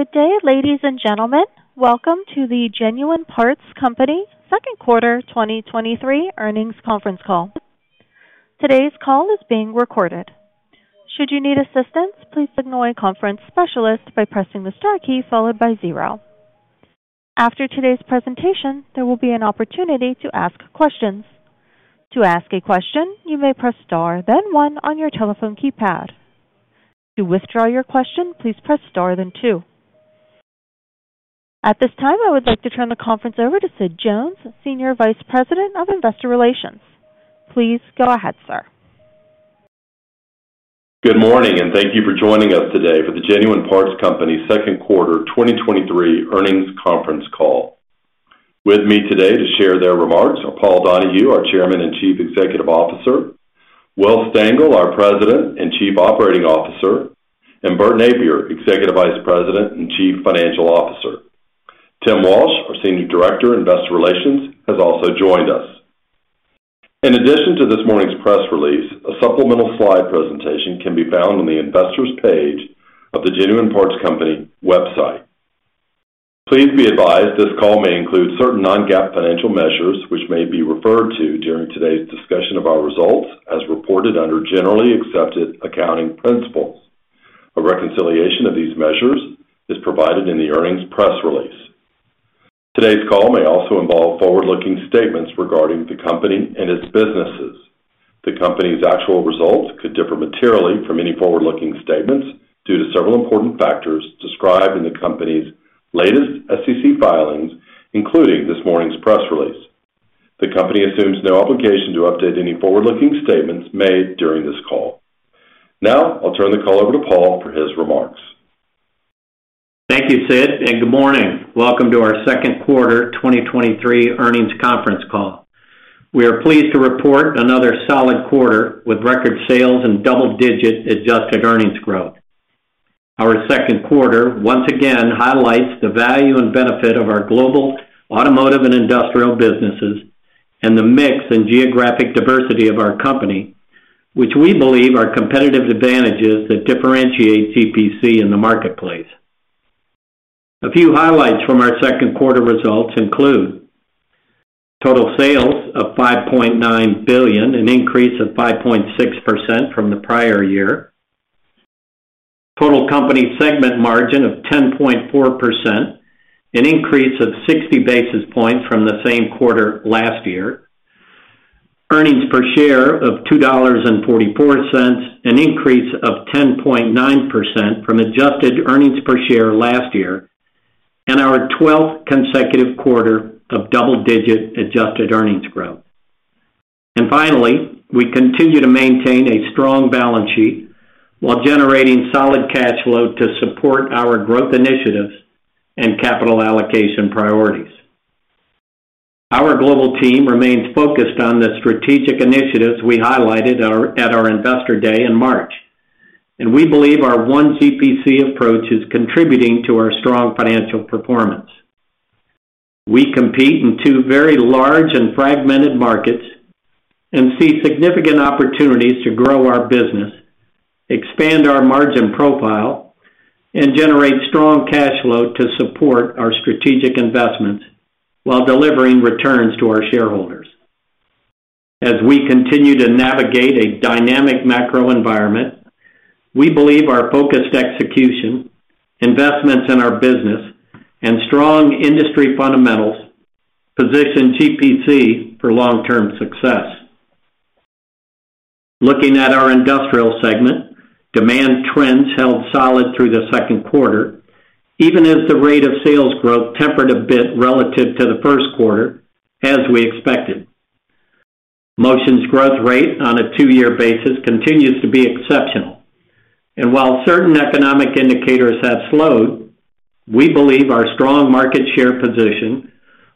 Good day, ladies and gentlemen. Welcome to the Genuine Parts Company second Quarter 2023 earnings conference call. Today's call is being recorded. Should you need assistance, please signal a conference specialist by pressing the star key followed by zero. After today's presentation, there will be an opportunity to ask questions. To ask a question, you may press star, then one on your telephone keypad. To withdraw your question, please press star, then two. At this time, I would like to turn the conference over to Sid Jones, Senior Vice President of Investor Relations. Please go ahead, sir. Good morning. Thank you for joining us today for the Genuine Parts Company second quarter 2023 earnings conference call. With me today to share their remarks are Paul Donahue, our Chairman and Chief Executive Officer, Will Stengel, our President and Chief Operating Officer, and Bert Nappier, Executive Vice President and Chief Financial Officer. Tim Walsh, our Senior Director, Investor Relations, has also joined us. In addition to this morning's press release, a supplemental slide presentation can be found on the Investors page of the Genuine Parts Company website. Please be advised this call may include certain non-GAAP financial measures, which may be referred to during today's discussion of our results as reported under generally accepted accounting principles. A reconciliation of these measures is provided in the earnings press release. Today's call may also involve forward-looking statements regarding the company and its businesses. The company's actual results could differ materially from any forward-looking statements due to several important factors described in the company's latest SEC filings, including this morning's press release. The company assumes no obligation to update any forward-looking statements made during this call. I'll turn the call over to Paul for his remarks. Thank you, Sid, and good morning. Welcome to our second quarter 2023 earnings conference call. We are pleased to report another solid quarter with record sales and double-digit adjusted earnings growth. Our second quarter, once again, highlights the value and benefit of our global automotive and Industrial businesses and the mix and geographic diversity of our company, which we believe are competitive advantages that differentiate GPC in the marketplace. A few highlights from our second quarter results include total sales of $5.9 billion, an increase of 5.6% from the prior year, total company segment margin of 10.4%, an increase of 60 basis points from the same quarter last year, earnings per share of $2.44, an increase of 10.9% from adjusted earnings per share last year, our 12th consecutive quarter of double-digit adjusted earnings growth. Finally, we continue to maintain a strong balance sheet while generating solid cash flow to support our growth initiatives and capital allocation priorities. Our global team remains focused on the strategic initiatives we highlighted at our Investor Day in March, we believe our One GPC approach is contributing to our strong financial performance. We compete in two very large and fragmented markets and see significant opportunities to grow our business, expand our margin profile, and generate strong cash flow to support our strategic investments while delivering returns to our shareholders. As we continue to navigate a dynamic macro environment, we believe our focused execution, investments in our business, and strong industry fundamentals position GPC for long-term success. Looking at our Industrial segment, demand trends held solid through the second quarter, even as the rate of sales growth tempered a bit relative to the first quarter, as we expected. Motion's growth rate on a two-year basis continues to be exceptional, and while certain economic indicators have slowed, we believe our strong market share position,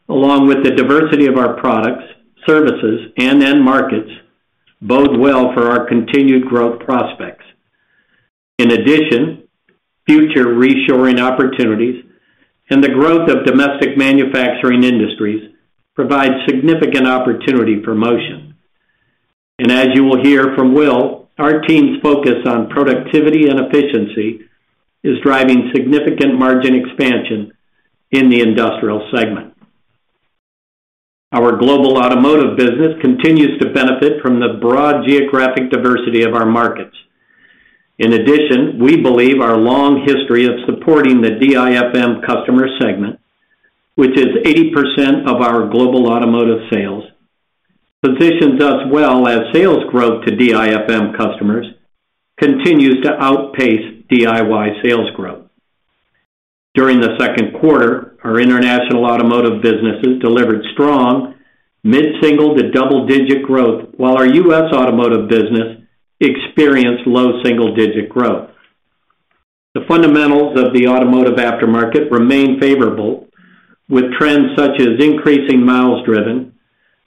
along with the diversity of our products, services, and end markets, bode well for our continued growth prospects. In addition, future reshoring opportunities and the growth of domestic manufacturing industries provide significant opportunity for Motion. As you will hear from Will, our team's focus on productivity and efficiency is driving significant margin expansion in the Industrial segment. Our Global Automotive business continues to benefit from the broad geographic diversity of our markets. In addition, we believe our long history of supporting the DIFM customer segment, which is 80% of our global automotive sales, positions us well as sales growth to DIFM customers continues to outpace DIY sales growth. During the second quarter, our International Automotive businesses delivered strong mid-single to double-digit growth, while our U.S. Automotive business experienced low single-digit growth. The fundamentals of the automotive aftermarket remain favorable, with trends such as increasing miles driven,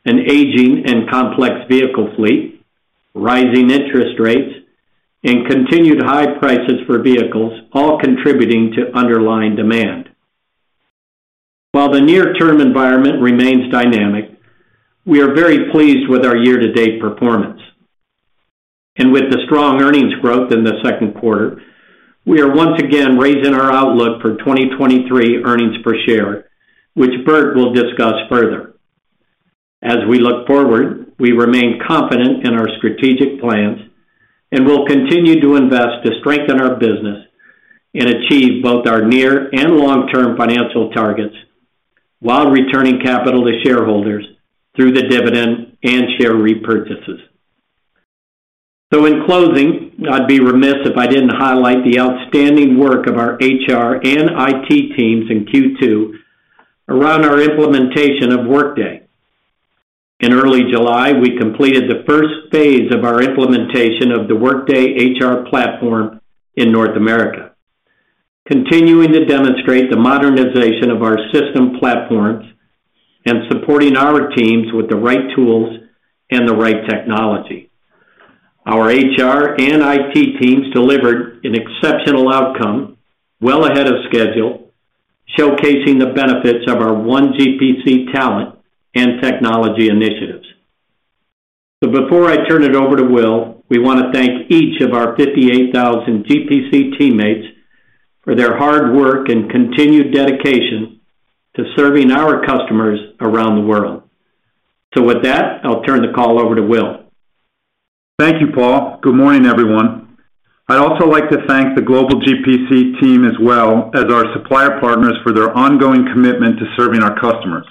an aging and complex vehicle fleet, rising interest rates, and continued high prices for vehicles, all contributing to underlying demand. While the near-term environment remains dynamic, we are very pleased with our year-to-date performance. With the strong earnings growth in the second quarter, we are once again raising our outlook for 2023 earnings per share, which Bert will discuss further. As we look forward, we remain confident in our strategic plans, and we'll continue to invest to strengthen our business and achieve both our near and long-term financial targets, while returning capital to shareholders through the dividend and share repurchases. In closing, I'd be remiss if I didn't highlight the outstanding work of our HR and IT teams in Q2 around our implementation of Workday. In early July, we completed the first phase of our implementation of the Workday HR platform in North America, continuing to demonstrate the modernization of our system platforms and supporting our teams with the right tools and the right technology. Our HR and IT teams delivered an exceptional outcome well ahead of schedule, showcasing the benefits of our One GPC talent and technology initiatives. Before I turn it over to Will, we want to thank each of our 58,000 GPC teammates for their hard work and continued dedication to serving our customers around the world. With that, I'll turn the call over to Will. Thank you, Paul. Good morning, everyone. I'd also like to thank the global GPC team, as well as our supplier partners, for their ongoing commitment to serving our customers.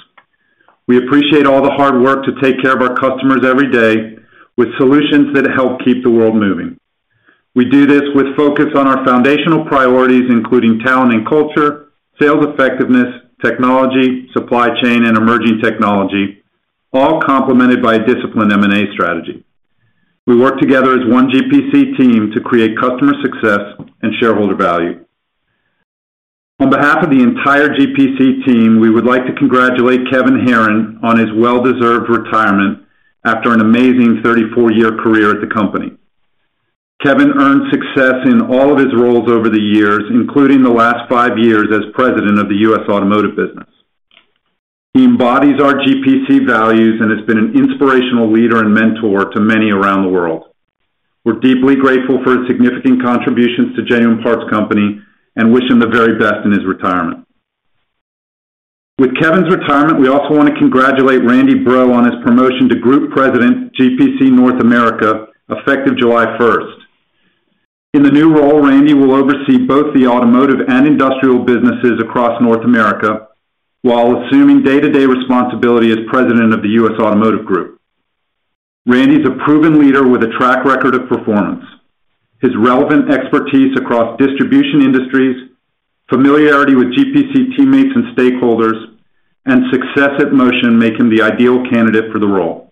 We appreciate all the hard work to take care of our customers every day with solutions that help keep the world moving. We do this with focus on our foundational priorities, including talent and culture, sales effectiveness, technology, supply chain, and emerging technology, all complemented by a disciplined M&A strategy. We work together as One GPC team to create customer success and shareholder value. On behalf of the entire GPC team, we would like to congratulate Kevin Herron on his well-deserved retirement after an amazing 34-year career at the company. Kevin earned success in all of his roles over the years, including the last five years as president of the U.S. Automotive business. He embodies our GPC values and has been an inspirational leader and mentor to many around the world. We're deeply grateful for his significant contributions to Genuine Parts Company and wish him the very best in his retirement. With Kevin's retirement, we also want to congratulate Randy Breaux on his promotion to Group President, GPC North America, effective July 1st. In the new role, Randy will oversee both the Automotive and Industrial businesses across North America while assuming day-to-day responsibility as president of the U.S. Automotive Group. Randy is a proven leader with a track record of performance. His relevant expertise across distribution industries, familiarity with GPC teammates and stakeholders, and success at Motion make him the ideal candidate for the role.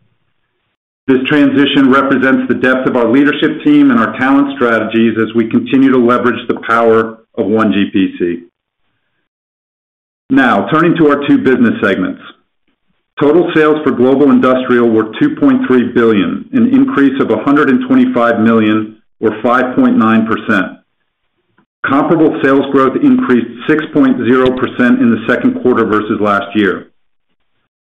This transition represents the depth of our leadership team and our talent strategies as we continue to leverage the power of One GPC. Turning to our two business segments. Total sales for Global Industrial were $2.3 billion, an increase of $125 million, or 5.9%. Comparable sales growth increased 6.0% in the second quarter versus last year.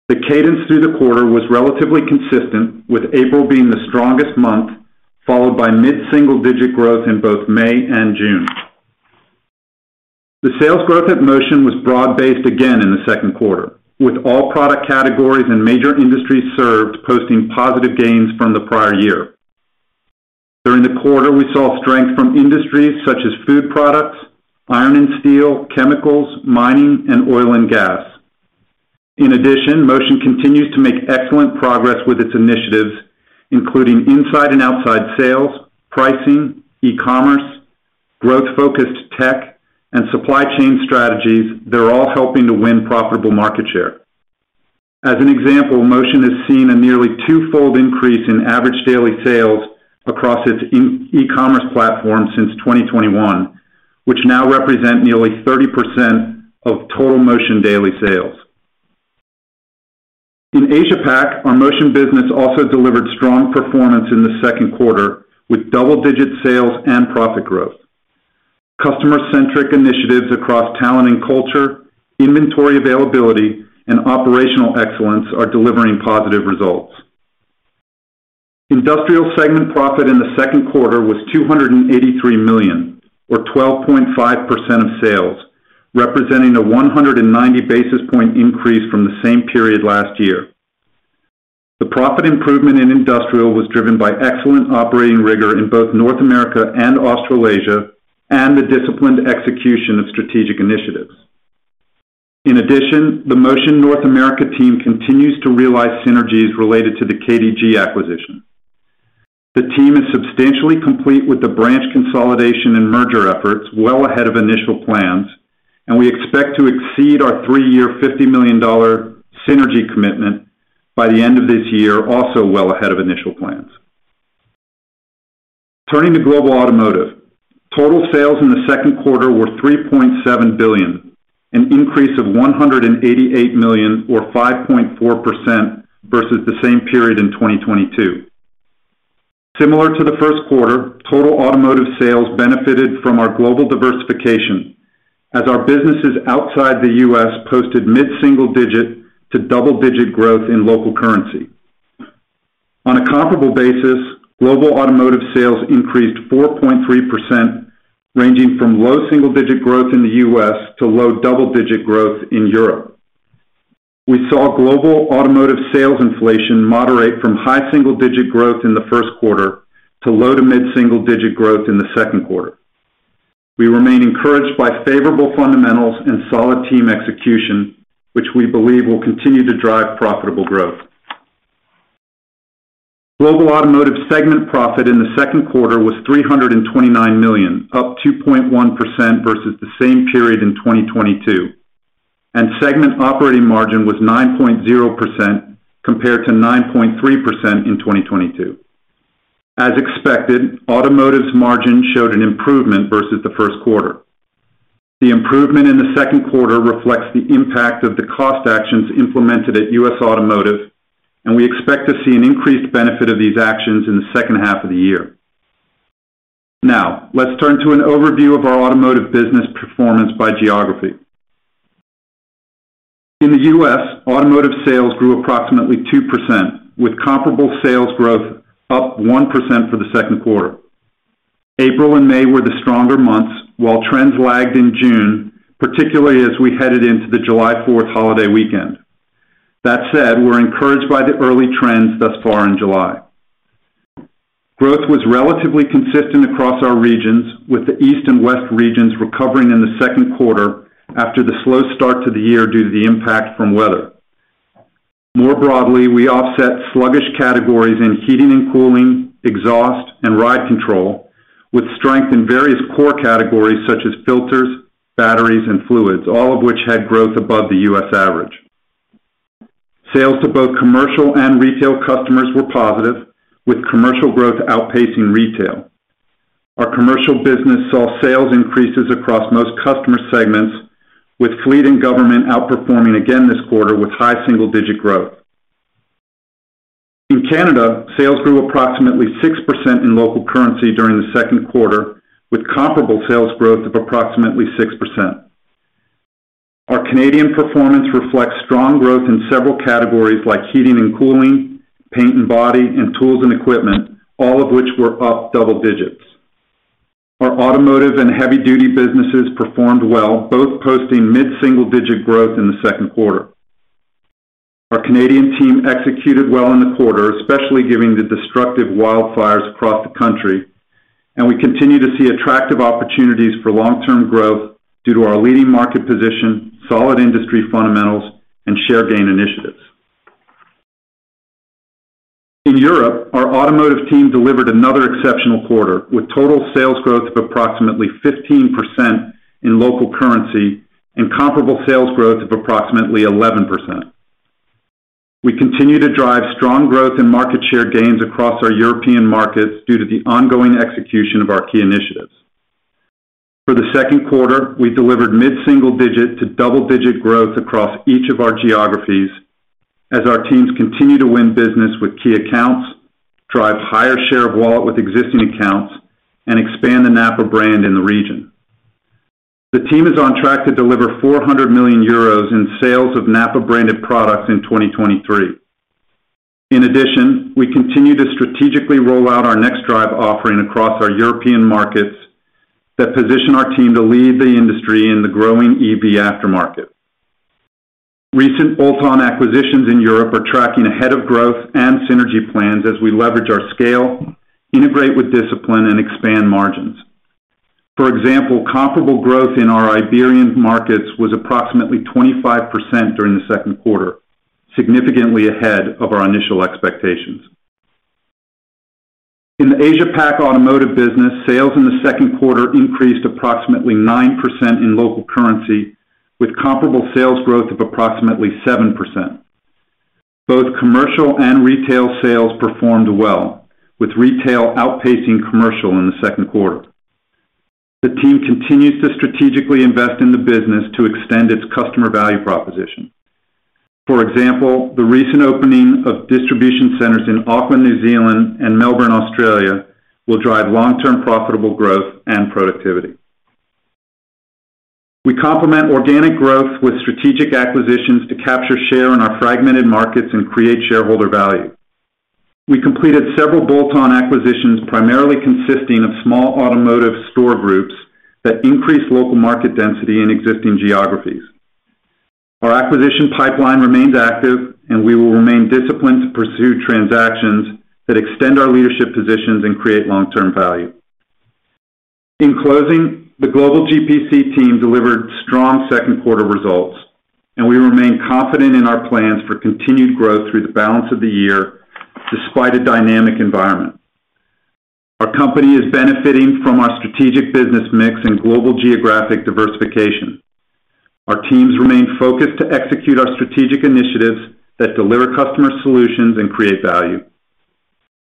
The cadence through the quarter was relatively consistent, with April being the strongest month, followed by mid-single-digit growth in both May and June. The sales growth at Motion was broad-based again in the second quarter, with all product categories and major industries served posting positive gains from the prior year. During the quarter, we saw strength from industries such as food products, iron and steel, chemicals, mining, and oil and gas. Motion continues to make excellent progress with its initiatives, including inside and outside sales, pricing, e-commerce, growth-focused tech, and supply chain strategies that are all helping to win profitable market share. As an example, Motion has seen a nearly twofold increase in average daily sales across its e-commerce platform since 2021, which now represent nearly 30% of total Motion daily sales. In Asia Pac, our Motion business also delivered strong performance in the second quarter, with double-digit sales and profit growth. Customer-centric initiatives across talent and culture, inventory availability, and operational excellence are delivering positive results. Industrial segment profit in the second quarter was $283 million, or 12.5% of sales, representing a 190 basis point increase from the same period last year. The profit improvement in Industrial was driven by excellent operating rigor in both North America and Australasia and the disciplined execution of strategic initiatives. In addition, the Motion North America team continues to realize synergies related to the KDG acquisition. The team is substantially complete with the branch consolidation and merger efforts well ahead of initial plans. We expect to exceed our three-year $50 million synergy commitment by the end of this year, also well ahead of initial plans. Turning to Global Automotive. Total sales in the second quarter were $3.7 billion, an increase of $188 million or 5.4% versus the same period in 2022. Similar to the first quarter, total automotive sales benefited from our global diversification, as our businesses outside the U.S. posted mid-single digit to double-digit growth in local currency. On a comparable basis, global automotive sales increased 4.3%, ranging from low single-digit growth in the U.S. to low double-digit growth in Europe. We saw global automotive sales inflation moderate from high single-digit growth in the first quarter to low to mid-single digit growth in the second quarter. We remain encouraged by favorable fundamentals and solid team execution, which we believe will continue to drive profitable growth. Global Automotive segment profit in the second quarter was $329 million, up 2.1% versus the same period in 2022. Segment operating margin was 9.0% compared to 9.3% in 2022. As expected, automotive's margin showed an improvement versus the first quarter. The improvement in the second quarter reflects the impact of the cost actions implemented at U.S. Automotive. We expect to see an increased benefit of these actions in the second half of the year. Now, let's turn to an overview of our Automotive business performance by geography. In the U.S., automotive sales grew approximately 2%, with comparable sales growth up 1% for the second quarter. April and May were the stronger months, while trends lagged in June, particularly as we headed into the July Fourth holiday weekend. That said, we're encouraged by the early trends thus far in July. Growth was relatively consistent across our regions, with the East and West regions recovering in the second quarter after the slow start to the year due to the impact from weather. More broadly, we offset sluggish categories in heating and cooling, exhaust, and ride control with strength in various core categories such as filters, batteries and fluids, all of which had growth above the U.S. average. Sales to both commercial and retail customers were positive, with commercial growth outpacing retail. Our Commercial business saw sales increases across most customer segments, with fleet and government outperforming again this quarter with high single-digit growth. In Canada, sales grew approximately 6% in local currency during the second quarter, with comparable sales growth of approximately 6%. Our Canadian performance reflects strong growth in several categories like heating and cooling, paint and body, and tools and equipment, all of which were up double digits. Our Automotive and Heavy-duty businesses performed well, both posting mid-single-digit growth in the second quarter. Our Canadian team executed well in the quarter, especially giving the destructive wildfires across the country, and we continue to see attractive opportunities for long-term growth due to our leading market position, solid industry fundamentals, and share gain initiatives. In Europe, our automotive team delivered another exceptional quarter, with total sales growth of approximately 15% in local currency and comparable sales growth of approximately 11%. We continue to drive strong growth in market share gains across our European markets due to the ongoing execution of our key initiatives. For the second quarter, we delivered mid-single digit to double-digit growth across each of our geographies as our teams continue to win business with key accounts, drive higher share of wallet with existing accounts, and expand the NAPA brand in the region. The team is on track to deliver 400 million euros in sales of NAPA-branded products in 2023. We continue to strategically roll out our NextDrive offering across our European markets that position our team to lead the industry in the growing EV aftermarket. Recent bolt-on acquisitions in Europe are tracking ahead of growth and synergy plans as we leverage our scale, integrate with discipline, and expand margins. For example, comparable growth in our Iberian markets was approximately 25% during the second quarter, significantly ahead of our initial expectations. In the Asia Pac Automotive business, sales in the second quarter increased approximately 9% in local currency, with comparable sales growth of approximately 7%. Both commercial and retail sales performed well, with retail outpacing commercial in the second quarter. The team continues to strategically invest in the business to extend its customer value proposition. For example, the recent opening of distribution centers in Auckland, New Zealand, and Melbourne, Australia, will drive long-term profitable growth and productivity. We complement organic growth with strategic acquisitions to capture share in our fragmented markets and create shareholder value. We completed several bolt-on acquisitions, primarily consisting of small automotive store groups that increase local market density in existing geographies. Our acquisition pipeline remains active, and we will remain disciplined to pursue transactions that extend our leadership positions and create long-term value. In closing, the global GPC team delivered strong second quarter results, and we remain confident in our plans for continued growth through the balance of the year, despite a dynamic environment. Our company is benefiting from our strategic business mix and global geographic diversification. Our teams remain focused to execute our strategic initiatives that deliver customer solutions and create value.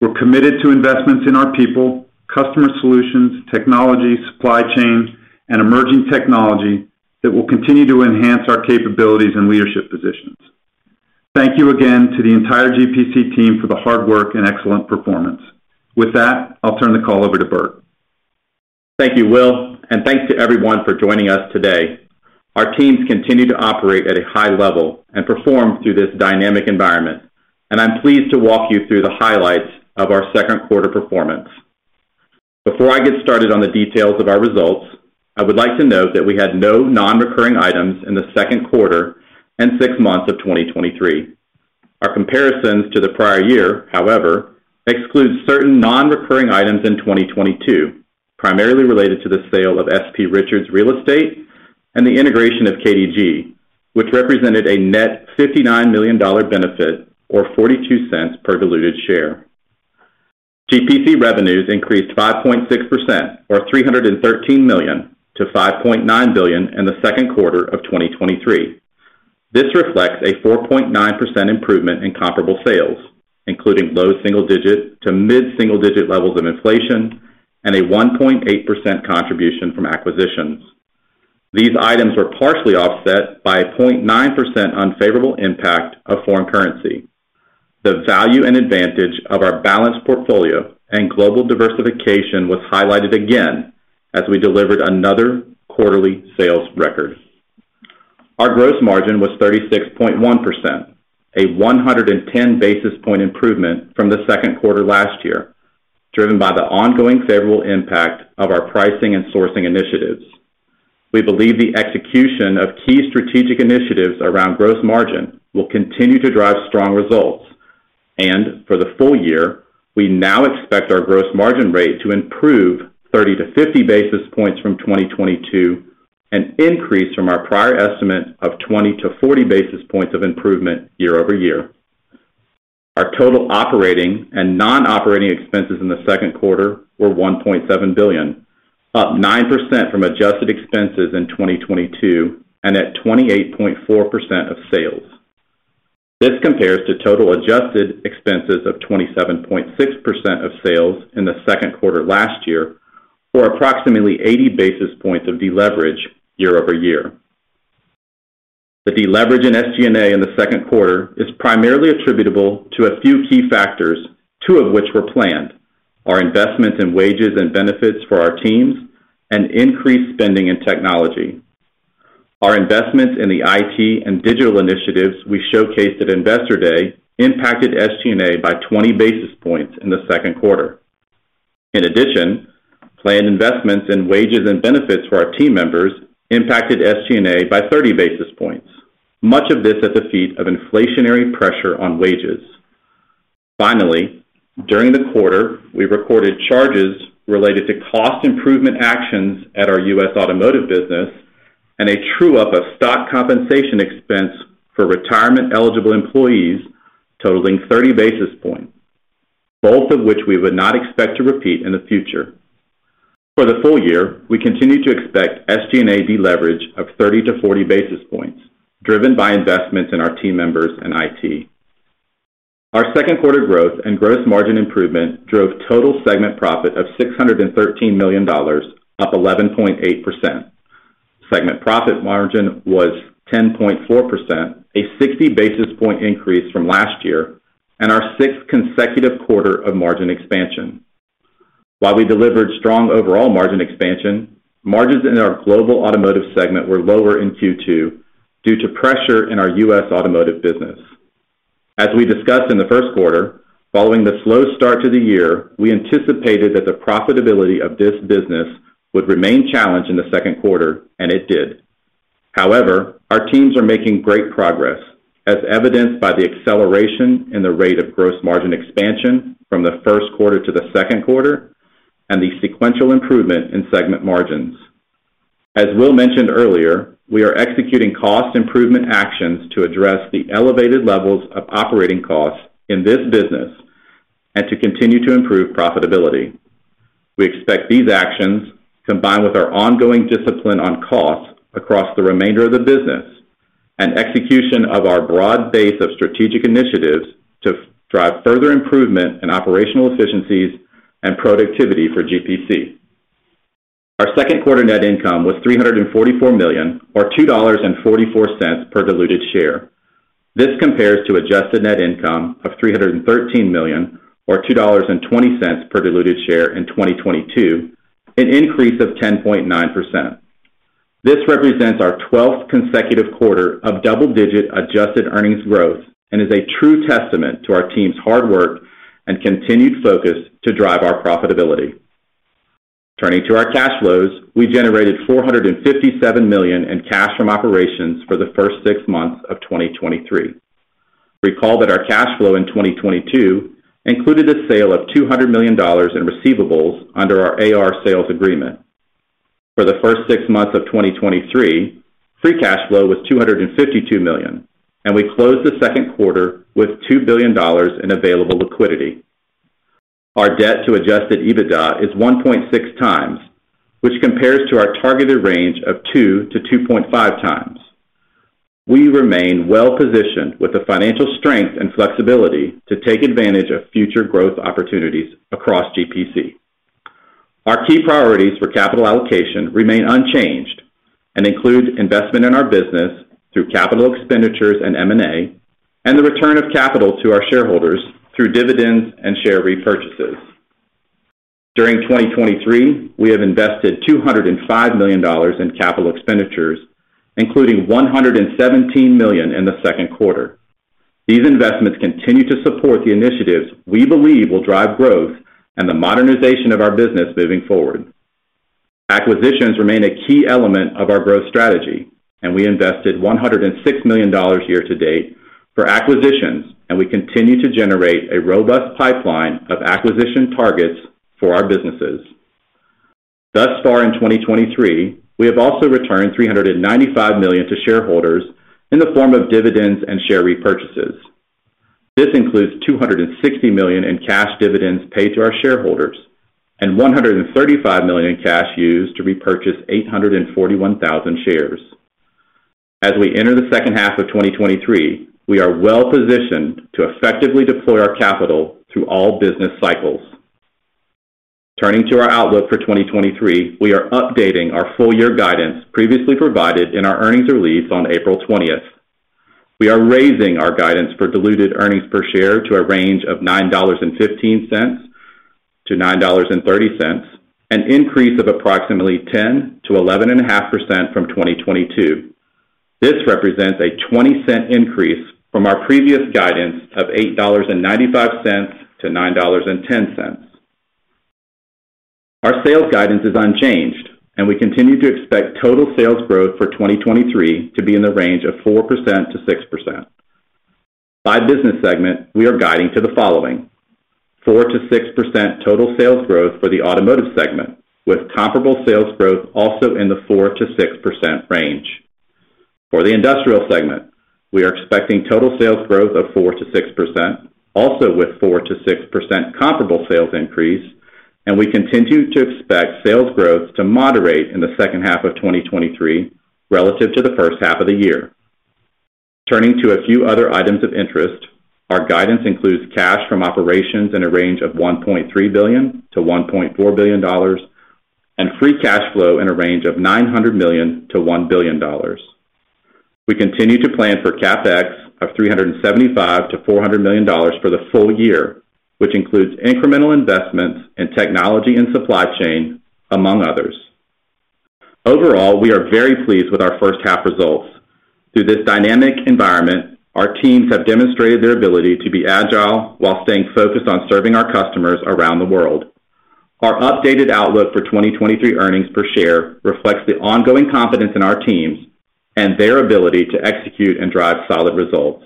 We're committed to investments in our people, customer solutions, technology, supply chain, and emerging technology that will continue to enhance our capabilities and leadership position. Thank you again to the entire GPC team for the hard work and excellent performance. With that, I'll turn the call over to Bert. Thank you, Will, and thanks to everyone for joining us today. Our teams continue to operate at a high level and perform through this dynamic environment, and I'm pleased to walk you through the highlights of our second quarter performance. Before I get started on the details of our results, I would like to note that we had no non-recurring items in the second quarter and six months of 2023. Our comparisons to the prior year, however, excludes certain non-recurring items in 2022, primarily related to the sale of S.P. Richards Real Estate and the integration of KDG, which represented a net $59 million benefit, or $0.42 per diluted share. GPC revenues increased 5.6%, or $313 million to $5.9 billion in the second quarter of 2023. This reflects a 4.9% improvement in comparable sales, including low single-digit to mid-single-digit levels of inflation and a 1.8% contribution from acquisitions. These items were partially offset by a 0.9% unfavorable impact of foreign currency. The value and advantage of our balanced portfolio and global diversification was highlighted again as we delivered another quarterly sales record. Our gross margin was 36.1%, a 110 basis point improvement from the second quarter last year, driven by the ongoing favorable impact of our pricing and sourcing initiatives. We believe the execution of key strategic initiatives around gross margin will continue to drive strong results. For the full year, we now expect our gross margin rate to improve 30 basis points-50 basis points from 2022, an increase from our prior estimate of 20 basis points-40 basis points of improvement year-over-year. Our total operating and non-operating expenses in the second quarter were $1.7 billion, up 9% from adjusted expenses in 2022 and at 28.4% of sales. This compares to total adjusted expenses of 27.6% of sales in the second quarter last year, or approximately 80 basis points of deleverage year-over-year. The deleverage in SG&A in the second quarter is primarily attributable to a few key factors, two of which were planned: our investments in wages and benefits for our teams and increased spending in technology. Our investments in the IT and digital initiatives we showcased at Investor Day impacted SG&A by 20 basis points in the second quarter. In addition, planned investments in wages and benefits for our team members impacted SG&A by 30 basis points, much of this at the feet of inflationary pressure on wages. During the quarter, we recorded charges related to cost improvement actions at our U.S. Automotive business and a true-up of stock compensation expense for retirement-eligible employees totaling 30 basis points, both of which we would not expect to repeat in the future. For the full year, we continue to expect SG&A deleverage of 30 basis points-40 basis points, driven by investments in our team members and IT. Our second quarter growth and gross margin improvement drove total segment profit of $613 million, up 11.8%. Segment profit margin was 10.4%, a 60 basis point increase from last year and our sixth consecutive quarter of margin expansion. While we delivered strong overall margin expansion, margins in our Global Automotive segment were lower in Q2 due to pressure in our U.S. Automotive business. As we discussed in the first quarter, following the slow start to the year, we anticipated that the profitability of this business would remain challenged in the second quarter, and it did. However, our teams are making great progress, as evidenced by the acceleration in the rate of gross margin expansion from the first quarter to the second quarter and the sequential improvement in segment margins. As Will mentioned earlier, we are executing cost improvement actions to address the elevated levels of operating costs in this business and to continue to improve profitability. We expect these actions, combined with our ongoing discipline on costs across the remainder of the business and execution of our broad base of strategic initiatives, to drive further improvement in operational efficiencies and productivity for GPC. Our second quarter net income was $344 million, or $2.44 per diluted share. This compares to adjusted net income of $313 million, or $2.20 per diluted share in 2022, an increase of 10.9%. This represents our 12th consecutive quarter of double-digit adjusted earnings growth and is a true testament to our team's hard work and continued focus to drive our profitability. Turning to our cash flows, we generated $457 million in cash from operations for the first 6 months of 2023. Recall that our cash flow in 2022 included a sale of $200 million in receivables under our A/R sales agreement. For the first six months of 2023, free cash flow was $252 million, and we closed the second quarter with $2 billion in available liquidity. Our debt to Adjusted EBITDA is 1.6x, which compares to our targeted range of 2x-2.5x. We remain well-positioned with the financial strength and flexibility to take advantage of future growth opportunities across GPC. Our key priorities for capital allocation remain unchanged and include investment in our business through capital expenditures and M&A, and the return of capital to our shareholders through dividends and share repurchases. During 2023, we have invested $205 million in capital expenditures, including $117 million in the second quarter. These investments continue to support the initiatives we believe will drive growth and the modernization of our business moving forward. Acquisitions remain a key element of our growth strategy, and we invested $106 million year-to-date for acquisitions, and we continue to generate a robust pipeline of acquisition targets for our businesses. Thus far in 2023, we have also returned $395 million to shareholders in the form of dividends and share repurchases. This includes $260 million in cash dividends paid to our shareholders and $135 million in cash used to repurchase 841,000 shares. As we enter the second half of 2023, we are well positioned to effectively deploy our capital through all business cycles. Turning to our outlook for 2023, we are updating our full year guidance previously provided in our earnings release on April 20th. We are raising our guidance for diluted earnings per share to a range of $9.15 to $9.30, an increase of approximately 10%-11.5% from 2022. This represents a $0.20 increase from our previous guidance of $8.95-$9.10. Our sales guidance is unchanged. We continue to expect total sales growth for 2023 to be in the range of 4%-6%. By Business segment, we are guiding to the following: 4%-6% total sales growth for the Automotive segment, with comparable sales growth also in the 4%-6% range. For the Industrial segment, we are expecting total sales growth of 4%-6%, also with 4%-6% comparable sales increase. We continue to expect sales growth to moderate in the second half of 2023 relative to the first half of the year. Turning to a few other items of interest, our guidance includes cash from operations in a range of $1.3 billion-$1.4 billion and free cash flow in a range of $900 million-$1 billion. We continue to plan for CapEx of $375 million-$400 million for the full year, which includes incremental investments in technology and supply chain, among others. Overall, we are very pleased with our first half results. Through this dynamic environment, our teams have demonstrated their ability to be agile while staying focused on serving our customers around the world. Our updated outlook for 2023 earnings per share reflects the ongoing confidence in our teams and their ability to execute and drive solid results.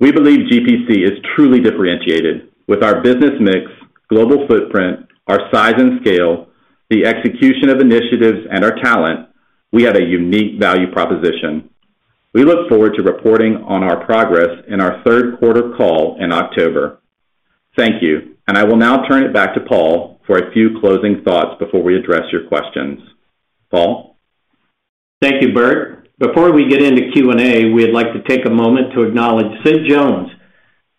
We believe GPC is truly differentiated. With our business mix, global footprint, our size and scale, the execution of initiatives, and our talent, we have a unique value proposition. We look forward to reporting on our progress in our third quarter call in October. Thank you. I will now turn it back to Paul for a few closing thoughts before we address your questions. Paul? Thank you, Bert. Before we get into Q&A, we'd like to take a moment to acknowledge Sid Jones,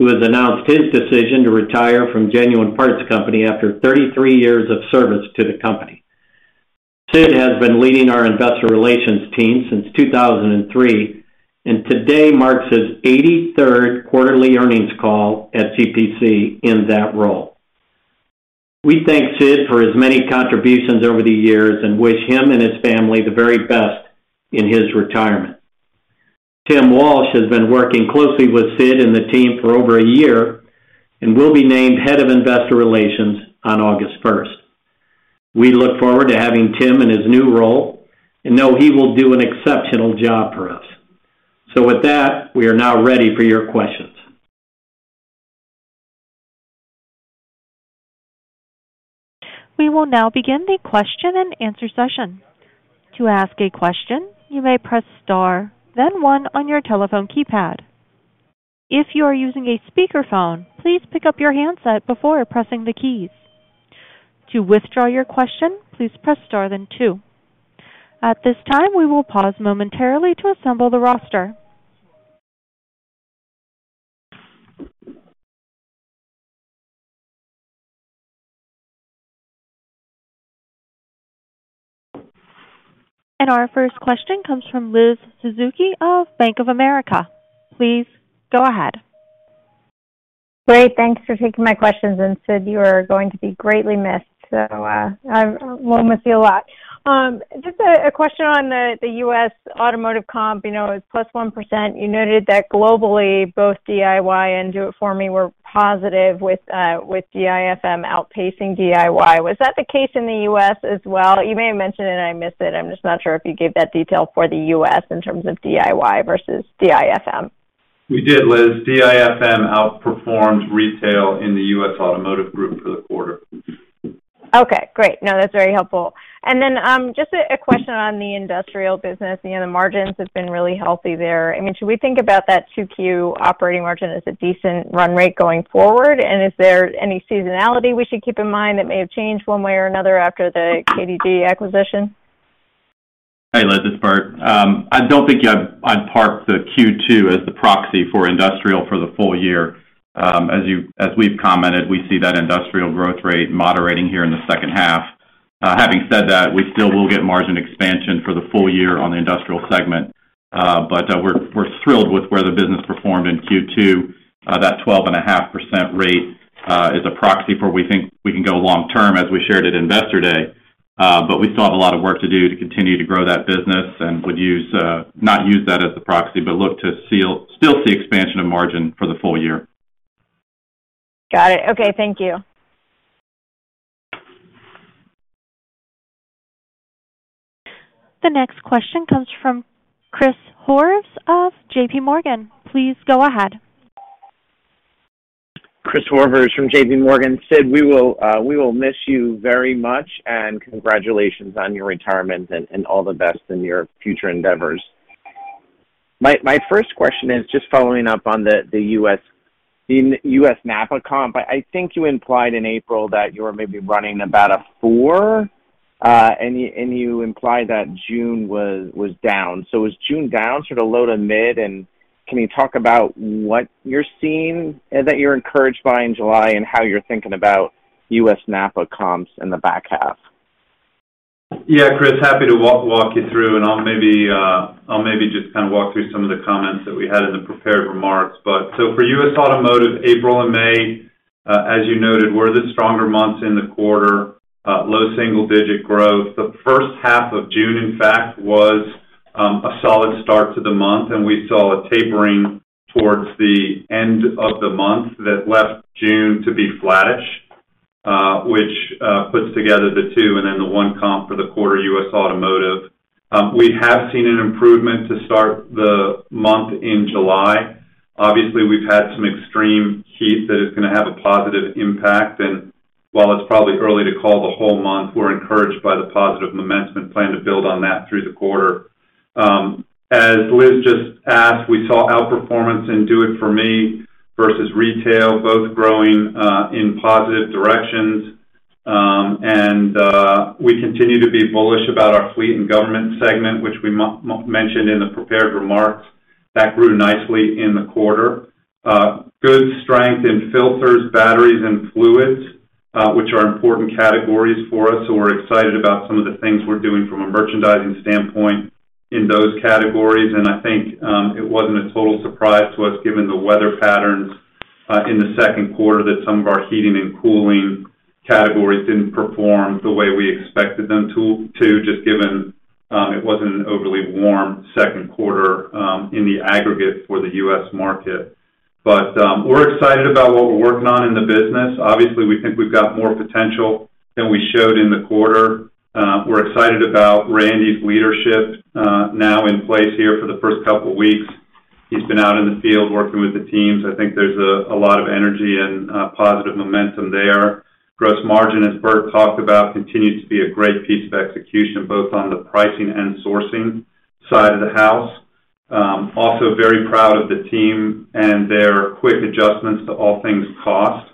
who has announced his decision to retire from Genuine Parts Company after 33 years of service to the company. Sid has been leading our Investor Relations team since 2003, and today marks his 83rd quarterly earnings call at GPC in that role. We thank Sid for his many contributions over the years and wish him and his family the very best in his retirement. Tim Walsh has been working closely with Sid and the team for over a year and will be named head of Investor Relations on August 1st. We look forward to having Tim in his new role and know he will do an exceptional job for us. With that, we are now ready for your questions. We will now begin the question and answer session. To ask a question, you may press star, then one on your telephone keypad. If you are using a speakerphone, please pick up your handset before pressing the keys. To withdraw your question, please press star then two. At this time, we will pause momentarily to assemble the roster. Our first question comes from Liz Suzuki of Bank of America. Please go ahead. Great. Thanks for taking my questions. Sid, you are going to be greatly missed. We'll miss you a lot. Just a question on the U.S. Automotive comp, you know, it's +1%. You noted that globally, both DIY and Do It For Me were positive with DIFM outpacing DIY. Was that the case in the U.S. as well? You may have mentioned it and I missed it. I'm just not sure if you gave that detail for the U.S. in terms of DIY versus DIFM. We did, Liz. DIFM outperformed retail in the U.S. Automotive Group for the quarter. Okay, great. No, that's very helpful. Then, just a question on the Industrial business. You know, the margins have been really healthy there. I mean, should we think about that 2Q operating margin as a decent run rate going forward? Is there any seasonality we should keep in mind that may have changed one way or another after the KDG acquisition? Hey, Liz, it's Bert. I don't think I'd park the Q2 as the proxy for Industrial for the full year. As we've commented, we see that Industrial growth rate moderating here in the second half. Having said that, we still will get margin expansion for the full year on the Industrial segment. We're thrilled with where the business performed in Q2. That 12.5% rate is a proxy for we think we can go long term as we shared at Investor Day. We still have a lot of work to do to continue to grow that business and would use, not use that as the proxy, but look to still see expansion of margin for the full year. Got it. Okay. Thank you. The next question comes from Christopher Horvers of JPMorgan. Please go ahead. Christopher Horvers from JPMorgan. Sid, we will miss you very much, and congratulations on your retirement and all the best in your future endeavors. My first question is just following up on the U.S. NAPA comp. I think you implied in April that you were maybe running about a four, and you implied that June was down. Was June down sort of low to mid? Can you talk about what you're seeing that you're encouraged by in July, and how you're thinking about U.S. NAPA comps in the back half? Yeah, Chris, happy to walk you through, and I'll just kind of walk through some of the comments that we had in the prepared remarks. For U.S. Automotive, April and May, as you noted, were the stronger months in the quarter, low single digit growth. The first half of June, in fact, was a solid start to the month, and we saw a tapering towards the end of the month that left June to be flattish, which puts together the two and then the one comp for the quarter, U.S. Automotive. We have seen an improvement to start the month in July. Obviously, we've had some extreme heat that is gonna have a positive impact, while it's probably early to call the whole month, we're encouraged by the positive momentum and plan to build on that through the quarter. As Liz just asked, we saw outperformance in Do It For Me versus retail, both growing in positive directions. We continue to be bullish about our Fleet and Government segment, which we mentioned in the prepared remarks. That grew nicely in the quarter. Good strength in filters, batteries, and fluids, which are important categories for us, we're excited about some of the things we're doing from a merchandising standpoint in those categories. I think it wasn't a total surprise to us, given the weather patterns in the second quarter, that some of our heating and cooling categories didn't perform the way we expected them to, just given it wasn't an overly warm second quarter in the aggregate for the U.S. market. We're excited about what we're working on in the business. Obviously, we think we've got more potential than we showed in the quarter. We're excited about Randy's leadership now in place here for the first couple of weeks. He's been out in the field working with the teams. I think there's a lot of energy and positive momentum there. Gross margin, as Bert talked about, continues to be a great piece of execution, both on the pricing and sourcing side of the house. Also very proud of the team and their quick adjustments to all things cost.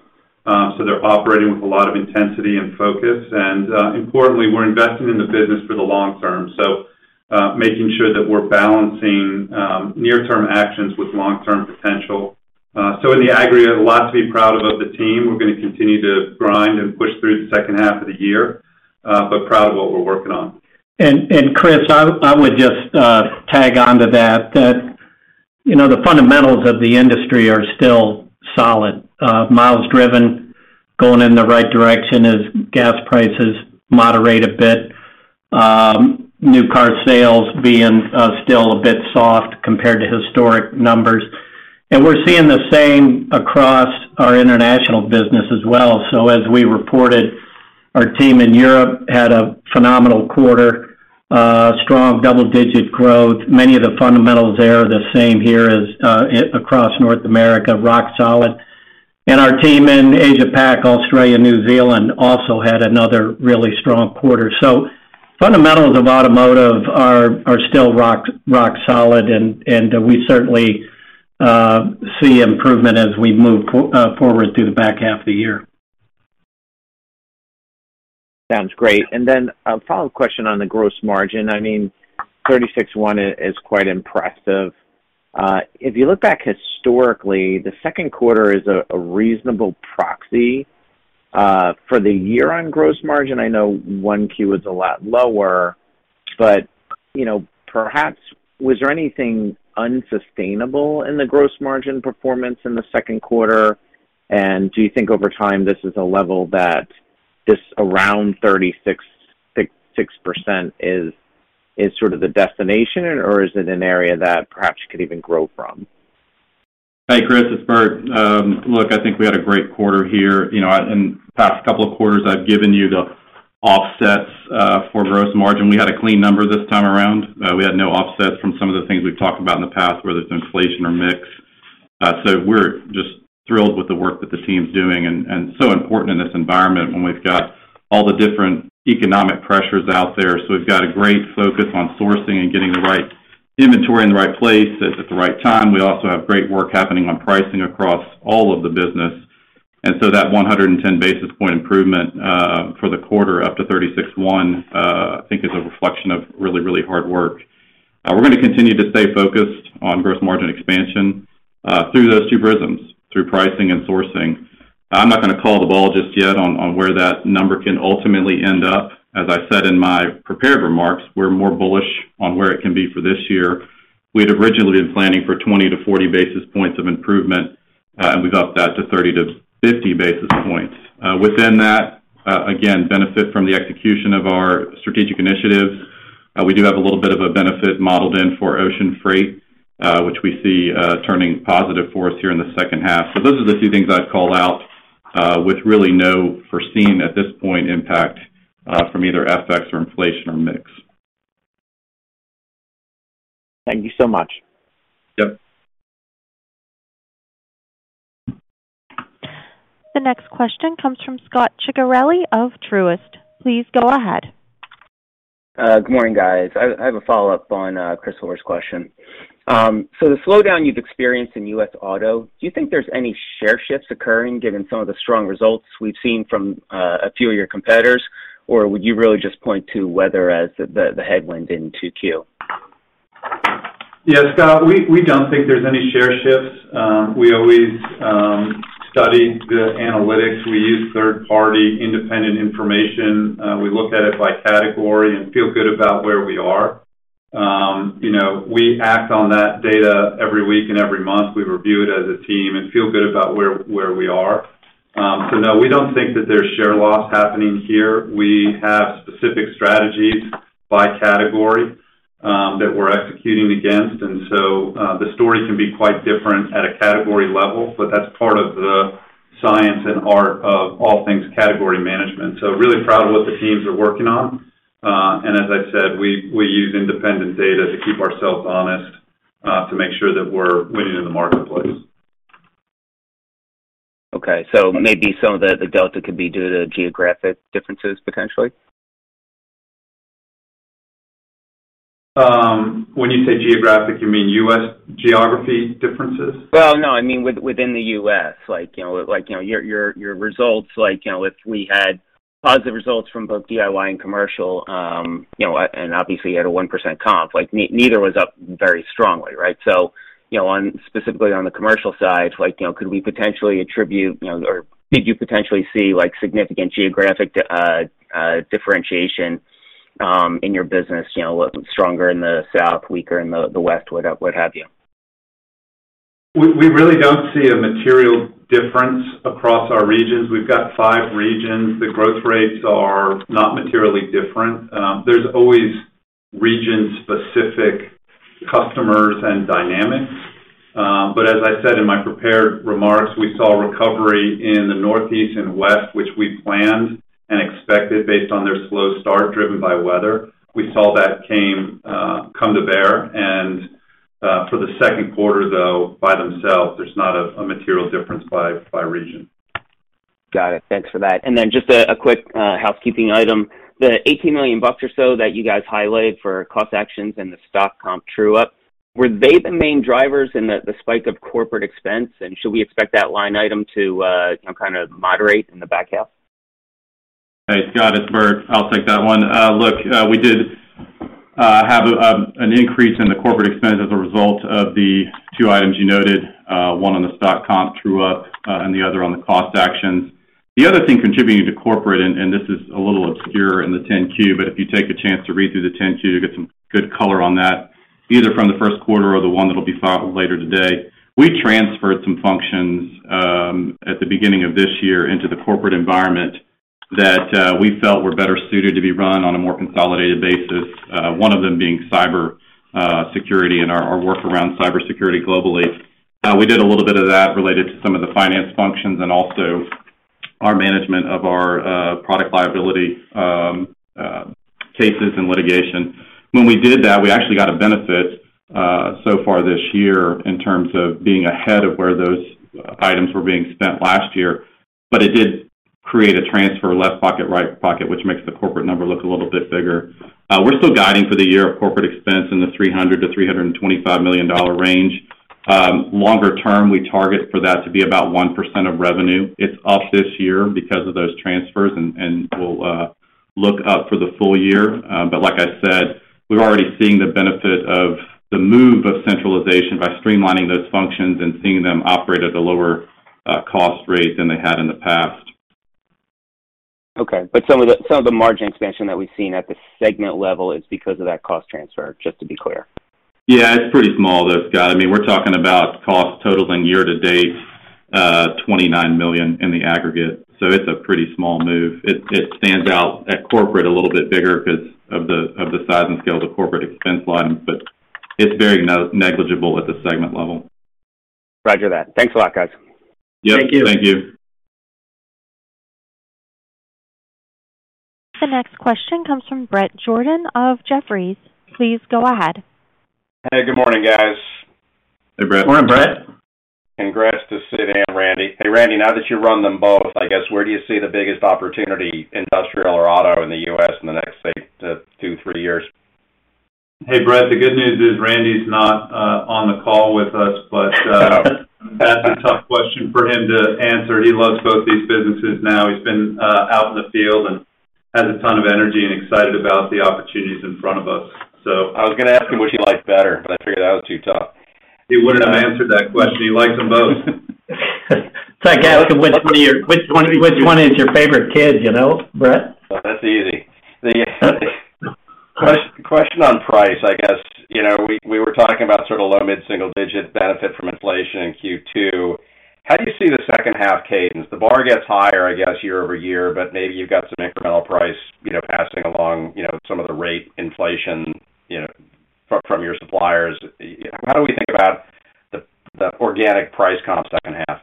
They're operating with a lot of intensity and focus, importantly, we're investing in the business for the long term, making sure that we're balancing near-term actions with long-term potential. In the aggregate, a lot to be proud of of the team. We're gonna continue to grind and push through the second half of the year, proud of what we're working on. Chris, I would just tag on to that, you know, the fundamentals of the industry are still solid. Miles driven, going in the right direction as gas prices moderate a bit. New car sales being still a bit soft compared to historic numbers. We're seeing the same across our International business as well. As we reported, our team in Europe had a phenomenal quarter, strong double-digit growth. Many of the fundamentals there are the same here as across North America, rock solid. Our team in Asia Pac, Australia, New Zealand, also had another really strong quarter. Fundamentals of Automotive are still rock solid, and we certainly see improvement as we move forward through the back half of the year. Sounds great. A follow-up question on the gross margin. I mean, 36.1 is quite impressive. If you look back historically, the second quarter is a reasonable proxy for the year-on-gross margin. I know 1Q is a lot lower, but, you know, perhaps was there anything unsustainable in the gross margin performance in the second quarter? Do you think over time, this is a level that this around 36.6% is sort of the destination, or is it an area that perhaps you could even grow from? Hey, Chris, it's Bert. I think we had a great quarter here. You know, in the past couple of quarters, I've given you the offsets for gross margin. We had a clean number this time around. We had no offsets from some of the things we've talked about in the past, whether it's inflation or mix. We're just thrilled with the work that the team's doing, and so important in this environment when we've got all the different economic pressures out there. We've got a great focus on sourcing and getting the right inventory in the right place at the right time. We also have great work happening on pricing across all of the business. That 110 basis point improvement for the quarter up to 36.1, I think is a reflection of really hard work. We're gonna continue to stay focused on gross margin expansion through those two prisms, through pricing and sourcing. I'm not gonna call the ball just yet on where that number can ultimately end up. As I said in my prepared remarks, we're more bullish on where it can be for this year. We'd originally been planning for 20-40 basis points of improvement, and we've upped that to 30-50 basis points. Within that, again, benefit from the execution of our strategic initiatives. We do have a little bit of a benefit modeled in for ocean freight, which we see turning positive for us here in the second half. Those are the two things I'd call out, with really no foreseen, at this point, impact, from either FX or inflation or mix. Thank you so much. Yep. The next question comes from Scot Ciccarelli of Truist. Please go ahead. Good morning, guys. I have a follow-up on Chris Horvers' question. The slowdown you've experienced in U.S. Auto, do you think there's any share shifts occurring, given some of the strong results we've seen from a few of your competitors? Would you really just point to weather as the headwind in 2Q? Scot, we don't think there's any share shifts. We always study the analytics. We use third-party, independent information. We look at it by category and feel good about where we are. You know, we act on that data every week and every month. We review it as a team and feel good about where we are. No, we don't think that there's share loss happening here. We have specific strategies by category that we're executing against. The story can be quite different at a category level, but that's part of the science and art of all things category management. Really proud of what the teams are working on. As I said, we use independent data to keep ourselves honest to make sure that we're winning in the marketplace. Maybe some of the delta could be due to geographic differences, potentially? When you say geographic, you mean U.S. geography differences? Well, no, I mean, within the U.S. Like, you know, your results, like, you know, if we had positive results from both DIY and commercial, you know, obviously you had a 1% comp, like, neither was up very strongly, right? You know, specifically on the commercial side, like, you know, could we potentially attribute, you know, or did you potentially see, like, significant geographic differentiation in your business? You know, was it stronger in the south, weaker in the west, what have you? We really don't see a material difference across our regions. We've got five regions. The growth rates are not materially different. There's always region-specific customers and dynamics. As I said in my prepared remarks, we saw recovery in the Northeast and West, which we planned and expected based on their slow start, driven by weather. We saw that came come to bear, and for the second quarter, though, by themselves, there's not a material difference by region. Got it. Thanks for that. Just a quick housekeeping item. The $18 million or so that you guys highlighted for cost actions and the stock comp true-up, were they the main drivers in the spike of corporate expense? Should we expect that line item to, you know, kind of moderate in the back half? Hey, Scot, it's Bert. I'll take that one. Look, we did have an increase in the corporate expense as a result of the two items you noted, one on the stock comp true-up, and the other on the cost actions. The other thing contributing to corporate, and this is a little obscure in the 10-Q, but if you take a chance to read through the 10-Q, you'll get some good color on that, either from the first quarter or the one that'll be filed later today. We transferred some functions at the beginning of this year into the corporate environment that we felt were better suited to be run on a more consolidated basis. One of them being cyber security and our work around cybersecurity globally. We did a little bit of that related to some of the finance functions and also our management of our product liability cases and litigation. When we did that, we actually got a benefit so far this year in terms of being ahead of where those items were being spent last year. It did create a transfer, left pocket, right pocket, which makes the corporate number look a little bit bigger. We're still guiding for the year of corporate expense in the $300 million-$325 million range. Longer term, we target for that to be about 1% of revenue. It's up this year because of those transfers, and will look up for the full year. Like I said, we're already seeing the benefit of the move of centralization by streamlining those functions and seeing them operate at a lower cost rate than they had in the past. Okay. Some of the margin expansion that we've seen at the segment level is because of that cost transfer, just to be clear? Yeah, it's pretty small though, Scot. I mean, we're talking about costs totaling year to date, $29 million in the aggregate, so it's a pretty small move. It stands out at corporate a little bit bigger because of the size and scale of the corporate expense line, but it's very negligible at the segment level. Roger that. Thanks a lot, guys. Yep. Thank you. The next question comes from Bret Jordan of Jefferies. Please go ahead. Hey, good morning, guys. Hey, Bret. Morning, Bret. Congrats to Sid and Randy. Hey, Randy, now that you run them both, I guess, where do you see the biggest opportunity, Industrial or auto, in the U.S. in the next, say, two, three years? Hey, Bret, the good news is Randy's not on the call with us, but that's a tough question for him to answer. He loves both these businesses now. He's been out in the field and has a ton of energy and excited about the opportunities in front of us. I was gonna ask him what he liked better, but I figured that was too tough. He wouldn't have answered that question. He likes them both. It's like asking which one is your favorite kid, you know, Bret? Well, that's easy. The question on price, I guess, you know, we were talking about sort of low mid-single digit benefit from inflation in Q2. How do you see the second half cadence? The bar gets higher, I guess, year-over-year, but maybe you've got some incremental price, you know, passing along, you know, some of the rate inflation, you know, from your suppliers. How do we think about the organic price comp second half?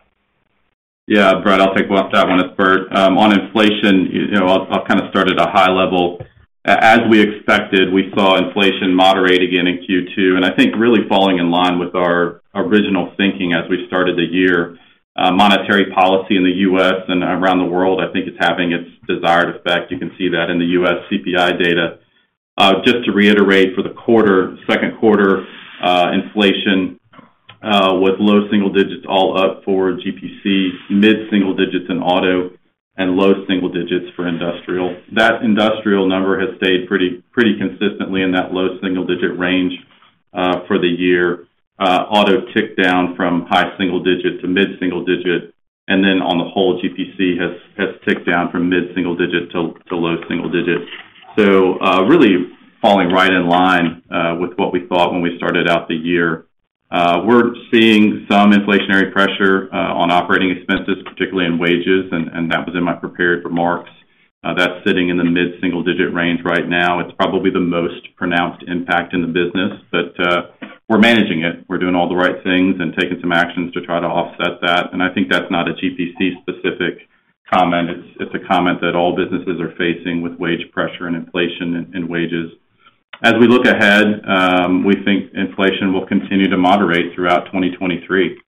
Yeah, Bret, I'll take off that one it's Bert. On inflation, you know, I'll kind of start at a high level. As we expected, we saw inflation moderate again in Q2, and I think really falling in line with our original thinking as we started the year. Monetary policy in the U.S. and around the world, I think is having its desired effect. You can see that in the U.S. CPI data. Just to reiterate for the quarter, second quarter, inflation with low single digits all up for GPC, mid-single digits in Auto, and low single digits for Industrial. That Industrial number has stayed pretty consistently in that low single-digit range for the year. Auto ticked down from high single-digit to mid-single-digit, on the whole, GPC has ticked down from mid-single-digit to low single-digit. Really falling right in line with what we thought when we started out the year. We're seeing some inflationary pressure on operating expenses, particularly in wages, and that was in my prepared remarks. That's sitting in the mid-single-digit range right now. It's probably the most pronounced impact in the business, but we're managing it. We're doing all the right things and taking some actions to try to offset that. I think that's not a GPC-specific comment. It's a comment that all businesses are facing with wage pressure and inflation in wages. As we look ahead, we think inflation will continue to moderate throughout 2023.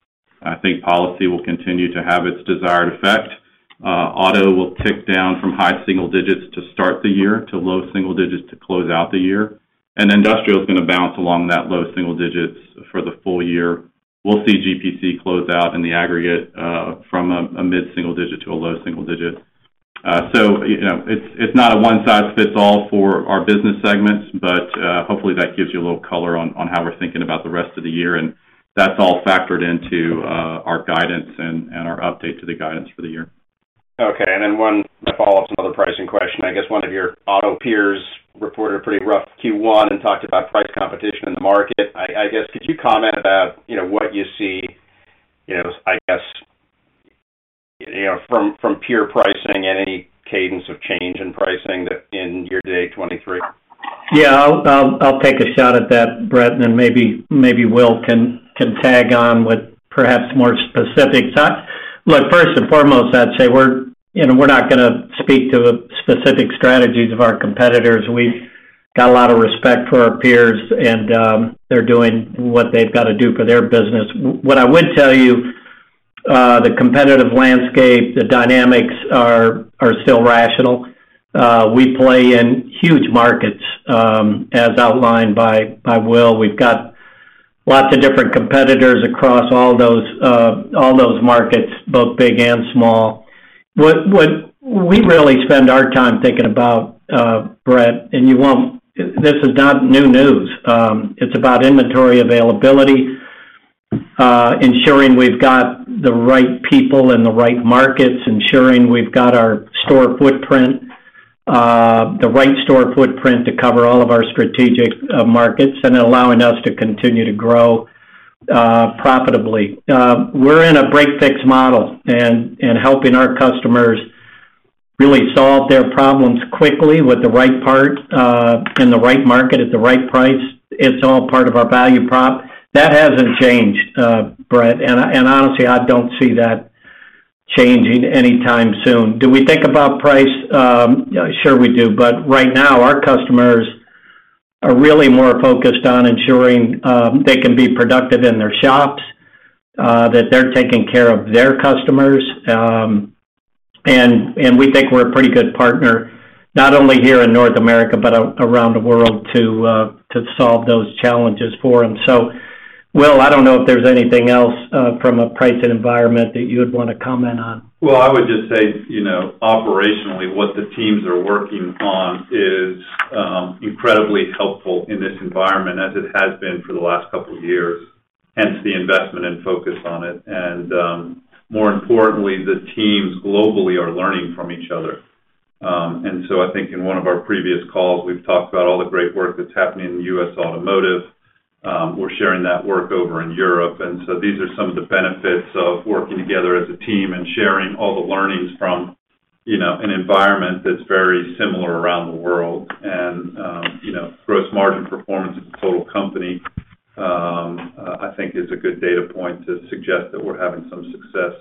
I think policy will continue to have its desired effect. Auto will tick down from high single digits to start the year to low single digits to close out the year. Industrial is gonna bounce along that low single digits for the full year. We'll see GPC close out in the aggregate from a mid-single digit to a low single digit. You know, it's not a one-size-fits-all for our business segments, but hopefully, that gives you a little color on how we're thinking about the rest of the year, and that's all factored into our guidance and our update to the guidance for the year. One follow-up to another pricing question. I guess one of your Auto peers reported a pretty rough Q1 and talked about price competition in the market. I guess, could you comment about, you know, what you see, I guess, from peer pricing and any cadence of change in pricing that in year 2023? Yeah. I'll take a shot at that, Bret, and then maybe Will can tag on with perhaps more specifics. Look, first and foremost, I'd say we're, you know, we're not gonna speak to specific strategies of our competitors. We've got a lot of respect for our peers, and they're doing what they've got to do for their business. What I would tell you, the competitive landscape, the dynamics are still rational. We play in huge markets, as outlined by Will. We've got lots of different competitors across all those markets, both big and small. What we really spend our time thinking about, Bret, and this is not new news. It's about inventory availability, ensuring we've got the right people in the right markets, ensuring we've got our store footprint, the right store footprint to cover all of our strategic markets, allowing us to continue to grow profitably. We're in a break-fix model, and helping our customers really solve their problems quickly with the right part, in the right market, at the right price. It's all part of our value prop. That hasn't changed, Bret, honestly, I don't see that changing anytime soon. Do we think about price? Sure, we do. Right now, our customers are really more focused on ensuring, they can be productive in their shops, that they're taking care of their customers, and we think we're a pretty good partner, not only here in North America, but around the world, to solve those challenges for them. Will, I don't know if there's anything else, from a pricing environment that you would wanna comment on? Well, I would just say, you know, operationally, what the teams are working on is incredibly helpful in this environment, as it has been for the last couple of years, hence, the investment and focus on it. More importantly, the teams globally are learning from each other. I think in one of our previous calls, we've talked about all the great work that's happening in the U.S. Automotive. We're sharing that work over in Europe, these are some of the benefits of working together as a team and sharing all the learnings from, you know, an environment that's very similar around the world. You know, gross margin performance of the total company, I think is a good data point to suggest that we're having some success.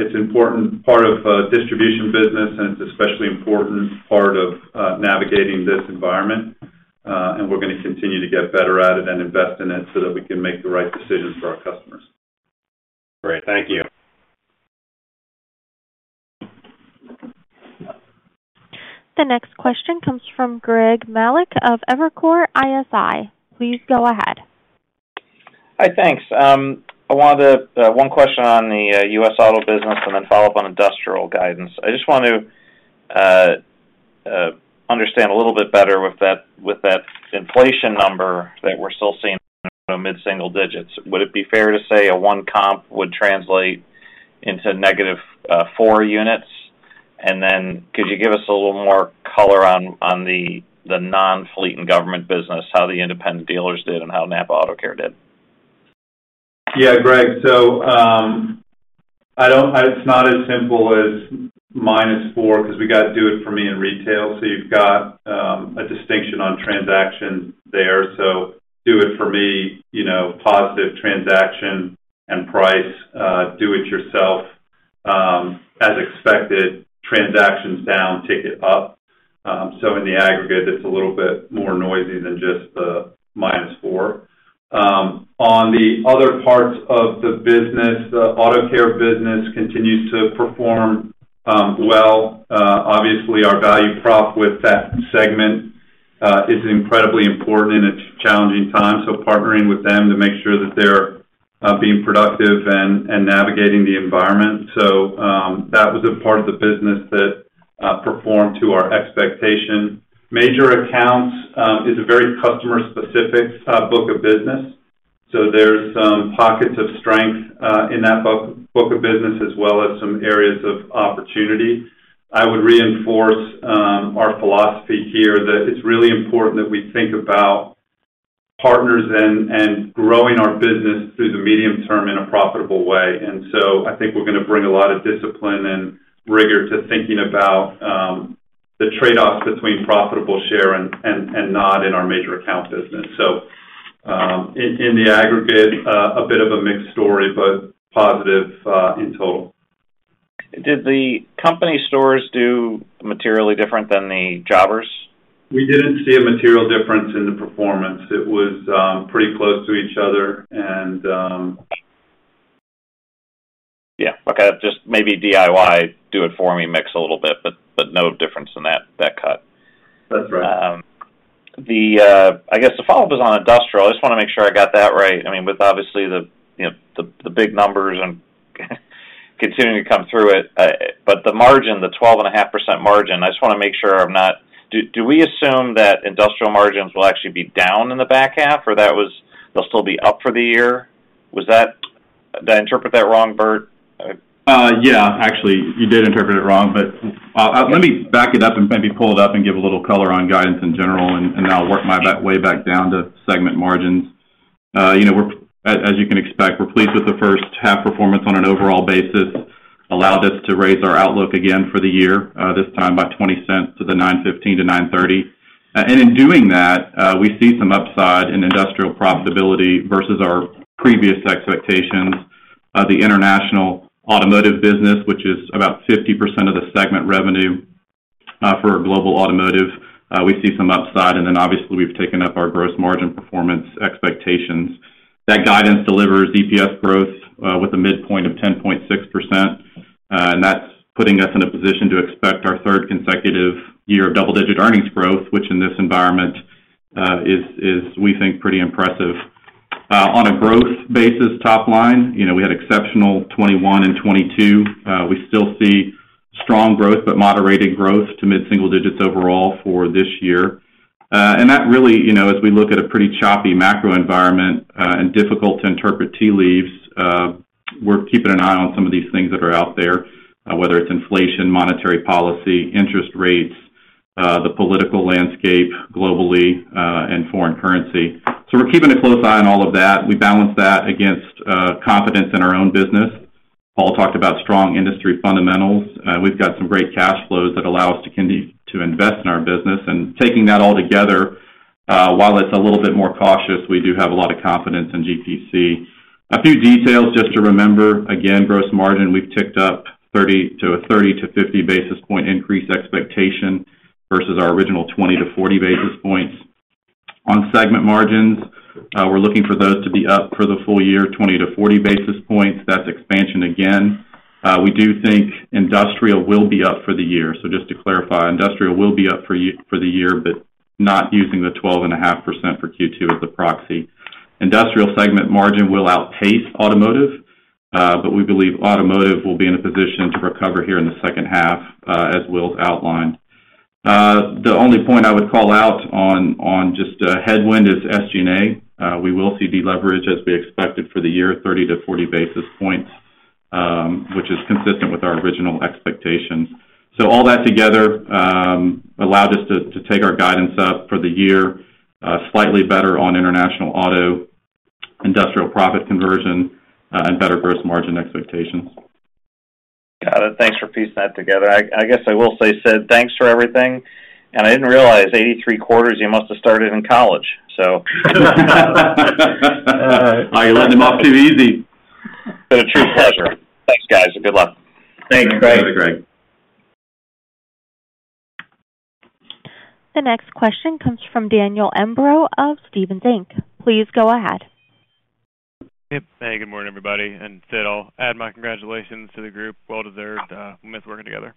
It's important part of Distribution business, and it's especially important part of navigating this environment, and we're gonna continue to get better at it and invest in it so that we can make the right decisions for our customers. Great. Thank you. The next question comes from Greg Melich of Evercore ISI. Please go ahead. Hi, thanks. One question on the U.S. Auto business and then follow up on Industrial guidance. I just want to understand a little bit better with that, with that inflation number that we're still seeing mid-single digits. Would it be fair to say a 1 comp would translate into -4 units? Could you give us a little more color on the Non-fleet and Government business, how the independent dealers did and how NAPA AutoCare did? Yeah, Greg, it's not as simple as minus four because we got to do it for me in retail. You've got a distinction on transaction there. Do it for me, you know, positive transaction and price, do it yourself, as expected, transactions down, ticket up. In the aggregate, it's a little bit more noisy than just the -4. On the other parts of the business, the AutoCare business continues to perform well. Obviously, our value prop with that segment is incredibly important, and it's challenging times, so partnering with them to make sure that they're being productive and navigating the environment. That was a part of the business that performed to our expectation. Major accounts, is a very customer-specific, book of business, so there's some pockets of strength, in that book of business, as well as some areas of opportunity. I would reinforce, our philosophy here that it's really important that we think about partners and growing our business through the medium term in a profitable way. I think we're gonna bring a lot of discipline and rigor to thinking about, the trade-offs between profitable share and not in our major account business. In the aggregate, a bit of a mixed story, but positive, in total. Did the company stores do materially different than the jobbers? We didn't see a material difference in the performance. It was pretty close to each other and. Yeah. Okay, just maybe DIY, do it for me, mix a little bit, but no difference in that cut. That's right. I guess the follow-up is on Industrial. I just wanna make sure I got that right. I mean, with obviously the, you know, the big numbers and continuing to come through it. The margin, the 12.5% margin, I just wanna make sure I'm not... Do we assume that Industrial margins will actually be down in the back half, or they'll still be up for the year? Did I interpret that wrong, Bert? Actually, you did interpret it wrong. Let me back it up and maybe pull it up and give a little color on guidance in general, and I'll work my way back down to segment margins. You know, we're, as you can expect, we're pleased with the first half performance on an overall basis. Allowed us to raise our outlook again for the year, this time by $0.20 to the $9.15-$9.30. In doing that, we see some upside in Industrial profitability versus our previous expectations. The International Automotive business, which is about 50% of the segment revenue, for our global automotive, we see some upside, obviously, we've taken up our gross margin performance expectations. That guidance delivers EPS growth, with a midpoint of 10.6%, and that's putting us in a position to expect our third consecutive year of double-digit earnings growth, which in this environment, is, we think, pretty impressive. On a growth basis, top line, you know, we had exceptional 2021 and 2022. We still see strong growth, but moderated growth to mid-single digits overall for 2023. And that really, you know, as we look at a pretty choppy macro environment, and difficult to interpret tea leaves, we're keeping an eye on some of these things that are out there, whether it's inflation, monetary policy, interest rates, the political landscape globally, and foreign currency. We're keeping a close eye on all of that. We balance that against confidence in our own business. Paul talked about strong industry fundamentals. We've got some great cash flows that allow us to continue to invest in our business. Taking that all together, while it's a little bit more cautious, we do have a lot of confidence in GPC. A few details just to remember. Again, gross margin, we've ticked up 30 basis points to 50 basis point increase expectation versus our original 20 basis points to 40 basis points. On segment margins, we're looking for those to be up for the full year, 20 to 40 basis points. That's expansion again. We do think Industrial will be up for the year. Just to clarify, Industrial will be up for the year, but not using the 12.5% for Q2 as a proxy. Industrial segment margin will outpace Automotive, but we believe Automotive will be in a position to recover here in the second half, as Will's outlined. The only point I would call out on just headwind is SG&A. We will see deleverage, as we expected for the year, 30 basis points-40 basis points, which is consistent with our original expectations. All that together allowed us to take our guidance up for the year, slightly better on International Auto, Industrial profit conversion, and better gross margin expectations. Got it. Thanks for piecing that together. I guess I will say, Sid, thanks for everything, and I didn't realize 83 quarters, you must have started in college, so Oh, you let him off too easy. It's been a true pleasure. Thanks, guys, and good luck. Thanks, Greg. Thanks, Greg. The next question comes from Daniel Imbro of Stephens Inc. Please go ahead. Yep. Hey, good morning, everybody, and Sid, I'll add my congratulations to the group. Well deserved, we miss working together.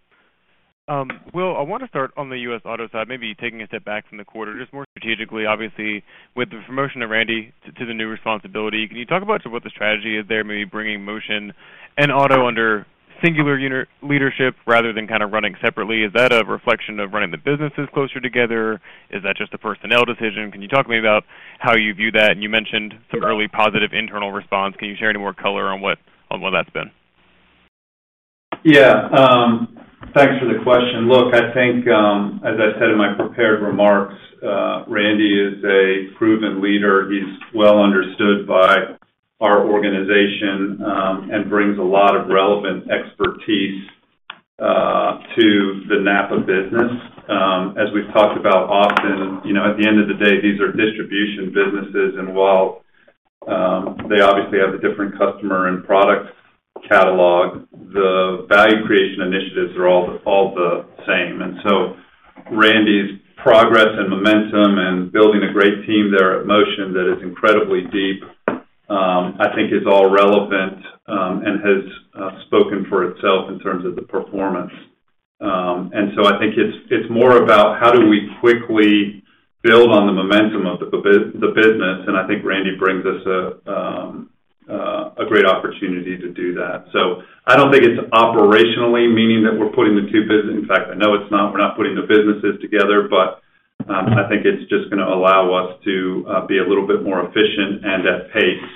Will, I wanna start on the U.S. Auto side, maybe taking a step back from the quarter, just more strategically, obviously, with the promotion of Randy to the new responsibility. Can you talk about what the strategy is there, maybe bringing Motion and Auto under singular unit leadership rather than kind of running separately? Is that a reflection of running the businesses closer together? Is that just a personnel decision? Can you talk to me about how you view that? You mentioned some early positive internal response. Can you share any more color on what that's been? Yeah, thanks for the question. Look, I think, as I said in my prepared remarks, Randy is a proven leader. He's well understood by our organization, and brings a lot of relevant expertise to the NAPA business. As we've talked about often, you know, at the end of the day, these are distribution businesses, and while they obviously have a different customer and product catalog, the value creation initiatives are all the same. Randy's progress and momentum and building a great team there at Motion that is incredibly deep, I think is all relevant, and has spoken for itself in terms of the performance. I think it's more about how do we quickly build on the momentum of the business, and I think Randy brings us a great opportunity to do that. I don't think it's operationally meaning that. In fact, I know it's not, we're not putting the businesses together, but I think it's just gonna allow us to be a little bit more efficient and at pace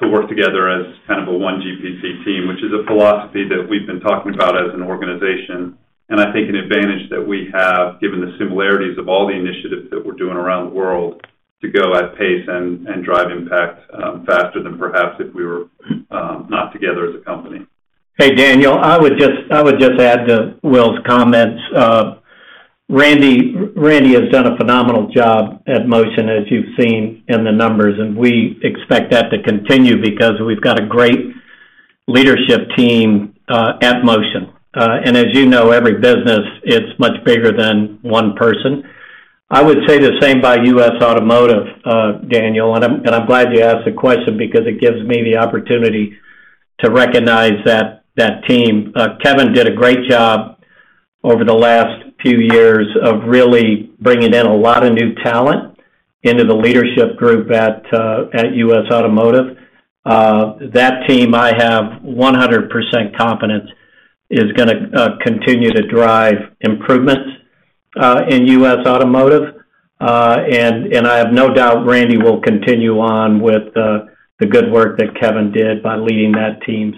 to work together as kind of a One GPC team, which is a philosophy that we've been talking about as an organization. I think an advantage that we have, given the similarities of all the initiatives that we're doing around the world, to go at pace and drive impact faster than perhaps if we were not together as a company. Hey, Daniel, I would just add to Will's comments. Randy has done a phenomenal job at Motion, as you've seen in the numbers, and we expect that to continue because we've got a great leadership team at Motion. As you know, every business is much bigger than one person. I would say the same by U.S. Automotive, Daniel, and I'm glad you asked the question because it gives me the opportunity to recognize that team. Kevin did a great job over the last few years of really bringing in a lot of new talent into the leadership group at U.S. Automotive. That team, I have 100% confidence, is gonna continue to drive improvements in U.S. Automotive. I have no doubt Randy will continue on with the good work that Kevin did by leading that team.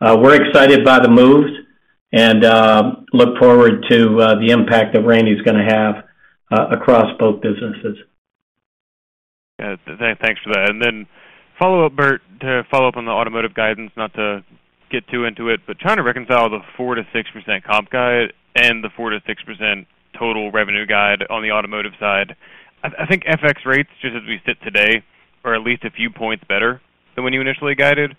We're excited by the moves and, look forward to, the impact that Randy's gonna have across both businesses. Yeah, thanks for that. Then follow up, Bert, to follow up on the automotive guidance, not to get too into it, but trying to reconcile the 4%-6% comp guide and the 4%-6% total revenue guide on the automotive side. I think FX rates, just as we sit today, are at least a few points better than when you initially guided.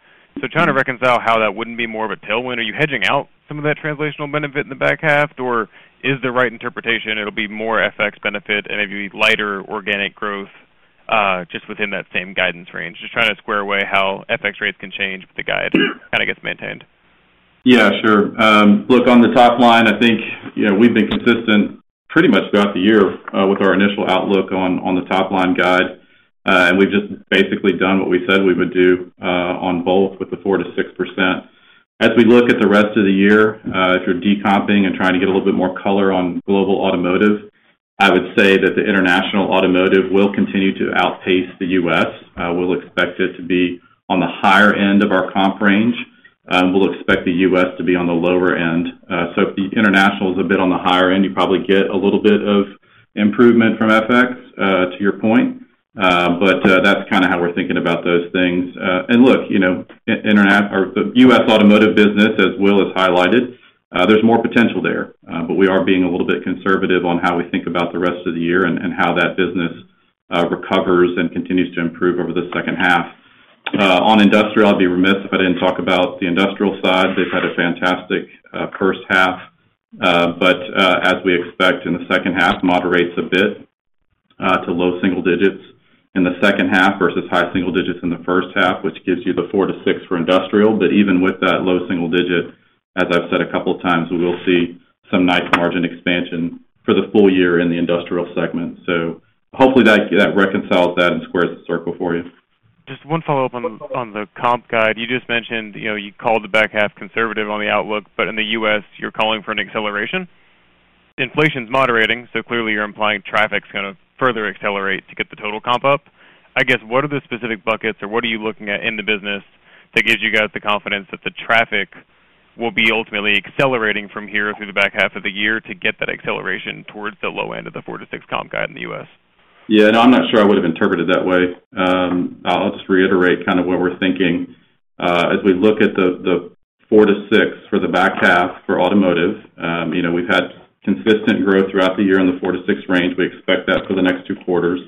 Trying to reconcile how that wouldn't be more of a tailwind. Are you hedging out some of that translational benefit in the back half, or is the right interpretation it'll be more FX benefit and maybe lighter organic growth, just within that same guidance range? Just trying to square away how FX rates can change, but the guide kind of gets maintained. Yeah, sure. Look, on the top line, I think, you know, we've been consistent pretty much throughout the year, with our initial outlook on the top line guide. We've just basically done what we said we would do, on both with the 4%-6%. As we look at the rest of the year, if you're decomping and trying to get a little bit more color on Global Automotive, I would say that the International Automotive will continue to outpace the U.S. We'll expect it to be on the higher end of our comp range. We'll expect the U.S. to be on the lower end. If the international is a bit on the higher end, you probably get a little bit of improvement from FX, to your point. That's kind of how we're thinking about those things. Look, you know, or the U.S. Automotive business, as Will has highlighted, there's more potential there. We are being a little bit conservative on how we think about the rest of the year and how that business recovers and continues to improve over the second half. On Industrial, I'd be remiss if I didn't talk about the Industrial side. They've had a fantastic first half, but as we expect in the second half, moderates a bit to low single digits in the second half versus high single digits in the first half, which gives you the 4-6 for Industrial. Even with that low single digit, as I've said a couple of times, we will see some nice margin expansion for the full year in the Industrial segment. Hopefully that reconciles that and squares the circle for you. Just one follow-up on the comp guide. You just mentioned, you know, you called the back half conservative on the outlook. In the U.S., you're calling for an acceleration? Inflation's moderating. Clearly you're implying traffic's gonna further accelerate to get the total comp up. I guess, what are the specific buckets or what are you looking at in the business that gives you guys the confidence that the traffic will be ultimately accelerating from here through the back half of the year to get that acceleration towards the low end of the 4% to 6% comp guide in the U.S.? Yeah, no, I'm not sure I would've interpreted it that way. I'll just reiterate kind of what we're thinking. As we look at the 4%-6% for the back half for Automotive, you know, we've had consistent growth throughout the year in the 4%-6% range. We expect that for the next two quarters.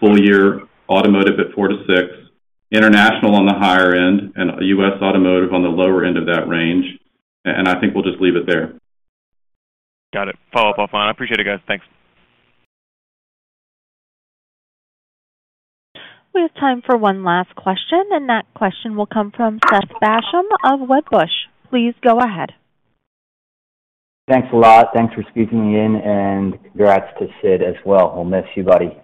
Full year automotive at 4%-6%, international on the higher end, and U.S. automotive on the lower end of that range. I think we'll just leave it there. Got it. Follow up offline. I appreciate it, guys. Thanks. We have time for one last question. That question will come from Seth Basham of Wedbush. Please go ahead. Thanks a lot. Thanks for squeezing me in, and congrats to Sid as well. We'll miss you, buddy.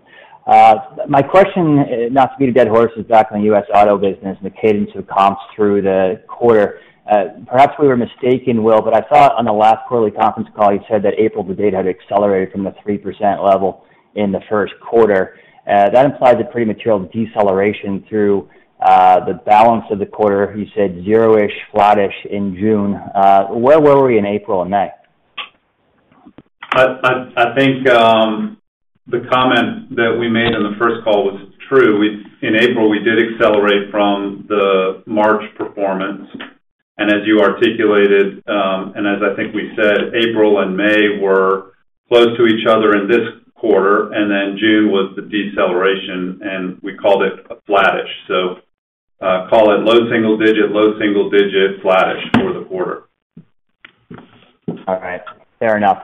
My question, not to beat a dead horse, is back on the U.S. Auto business and the cadence of comps through the quarter. Perhaps we were mistaken, Will, but I thought on the last quarterly conference call, you said that April to date had accelerated from the 3% level in the first quarter. That implies a pretty material deceleration through the balance of the quarter. You said zero-ish, flattish in June. Where were we in April and May? I think the comment that we made on the first call was true. In April, we did accelerate from the March performance, and as you articulated, and as I think we said, April and May were close to each other in this quarter, and then June was the deceleration, and we called it a flattish. Call it low single digit, low single digit, flattish for the quarter. All right, fair enough.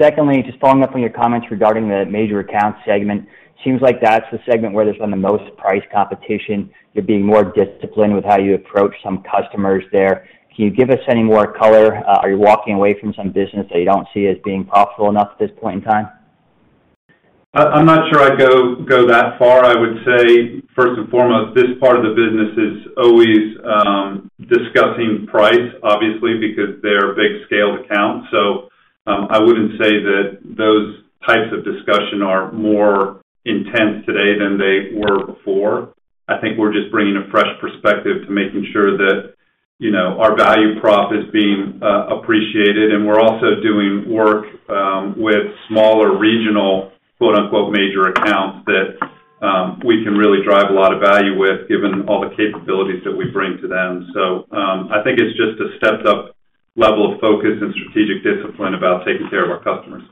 Secondly, just following up on your comments regarding the major Account segment, seems like that's the segment where there's been the most price competition. You're being more disciplined with how you approach some customers there. Can you give us any more color? Are you walking away from some business that you don't see as being profitable enough at this point in time? I'm not sure I'd go that far. I would say, first and foremost, this part of the business is always discussing price, obviously, because they're big scaled accounts, so I wouldn't say that those types of discussion are more intense today than they were before. I think we're just bringing a fresh perspective to making sure that, you know, our value prop is being appreciated, and we're also doing work with smaller regional, quote, unquote, "major accounts" that we can really drive a lot of value with, given all the capabilities that we bring to them. I think it's just a stepped-up level of focus and strategic discipline about taking care of our customers.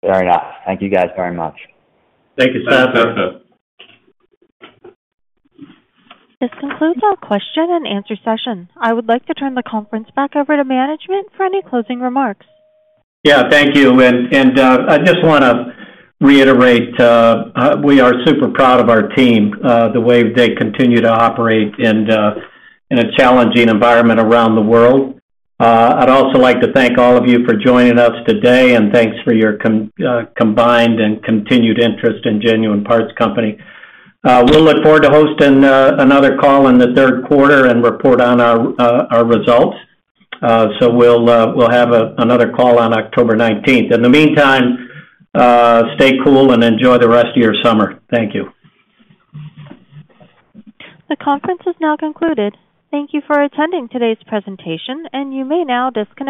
Fair enough. Thank you, guys, very much. Thank you, Seth. This concludes our question and answer session. I would like to turn the conference back over to management for any closing remarks. Yeah, thank you. I just wanna reiterate, we are super proud of our team, the way they continue to operate in a challenging environment around the world. I'd also like to thank all of you for joining us today, and thanks for your combined and continued interest in Genuine Parts Company. We'll look forward to hosting another call in the third quarter and report on our results. We'll have another call on October 19th. In the meantime, stay cool and enjoy the rest of your summer. Thank you. The conference is now concluded. Thank you for attending today's presentation, and you may now disconnect.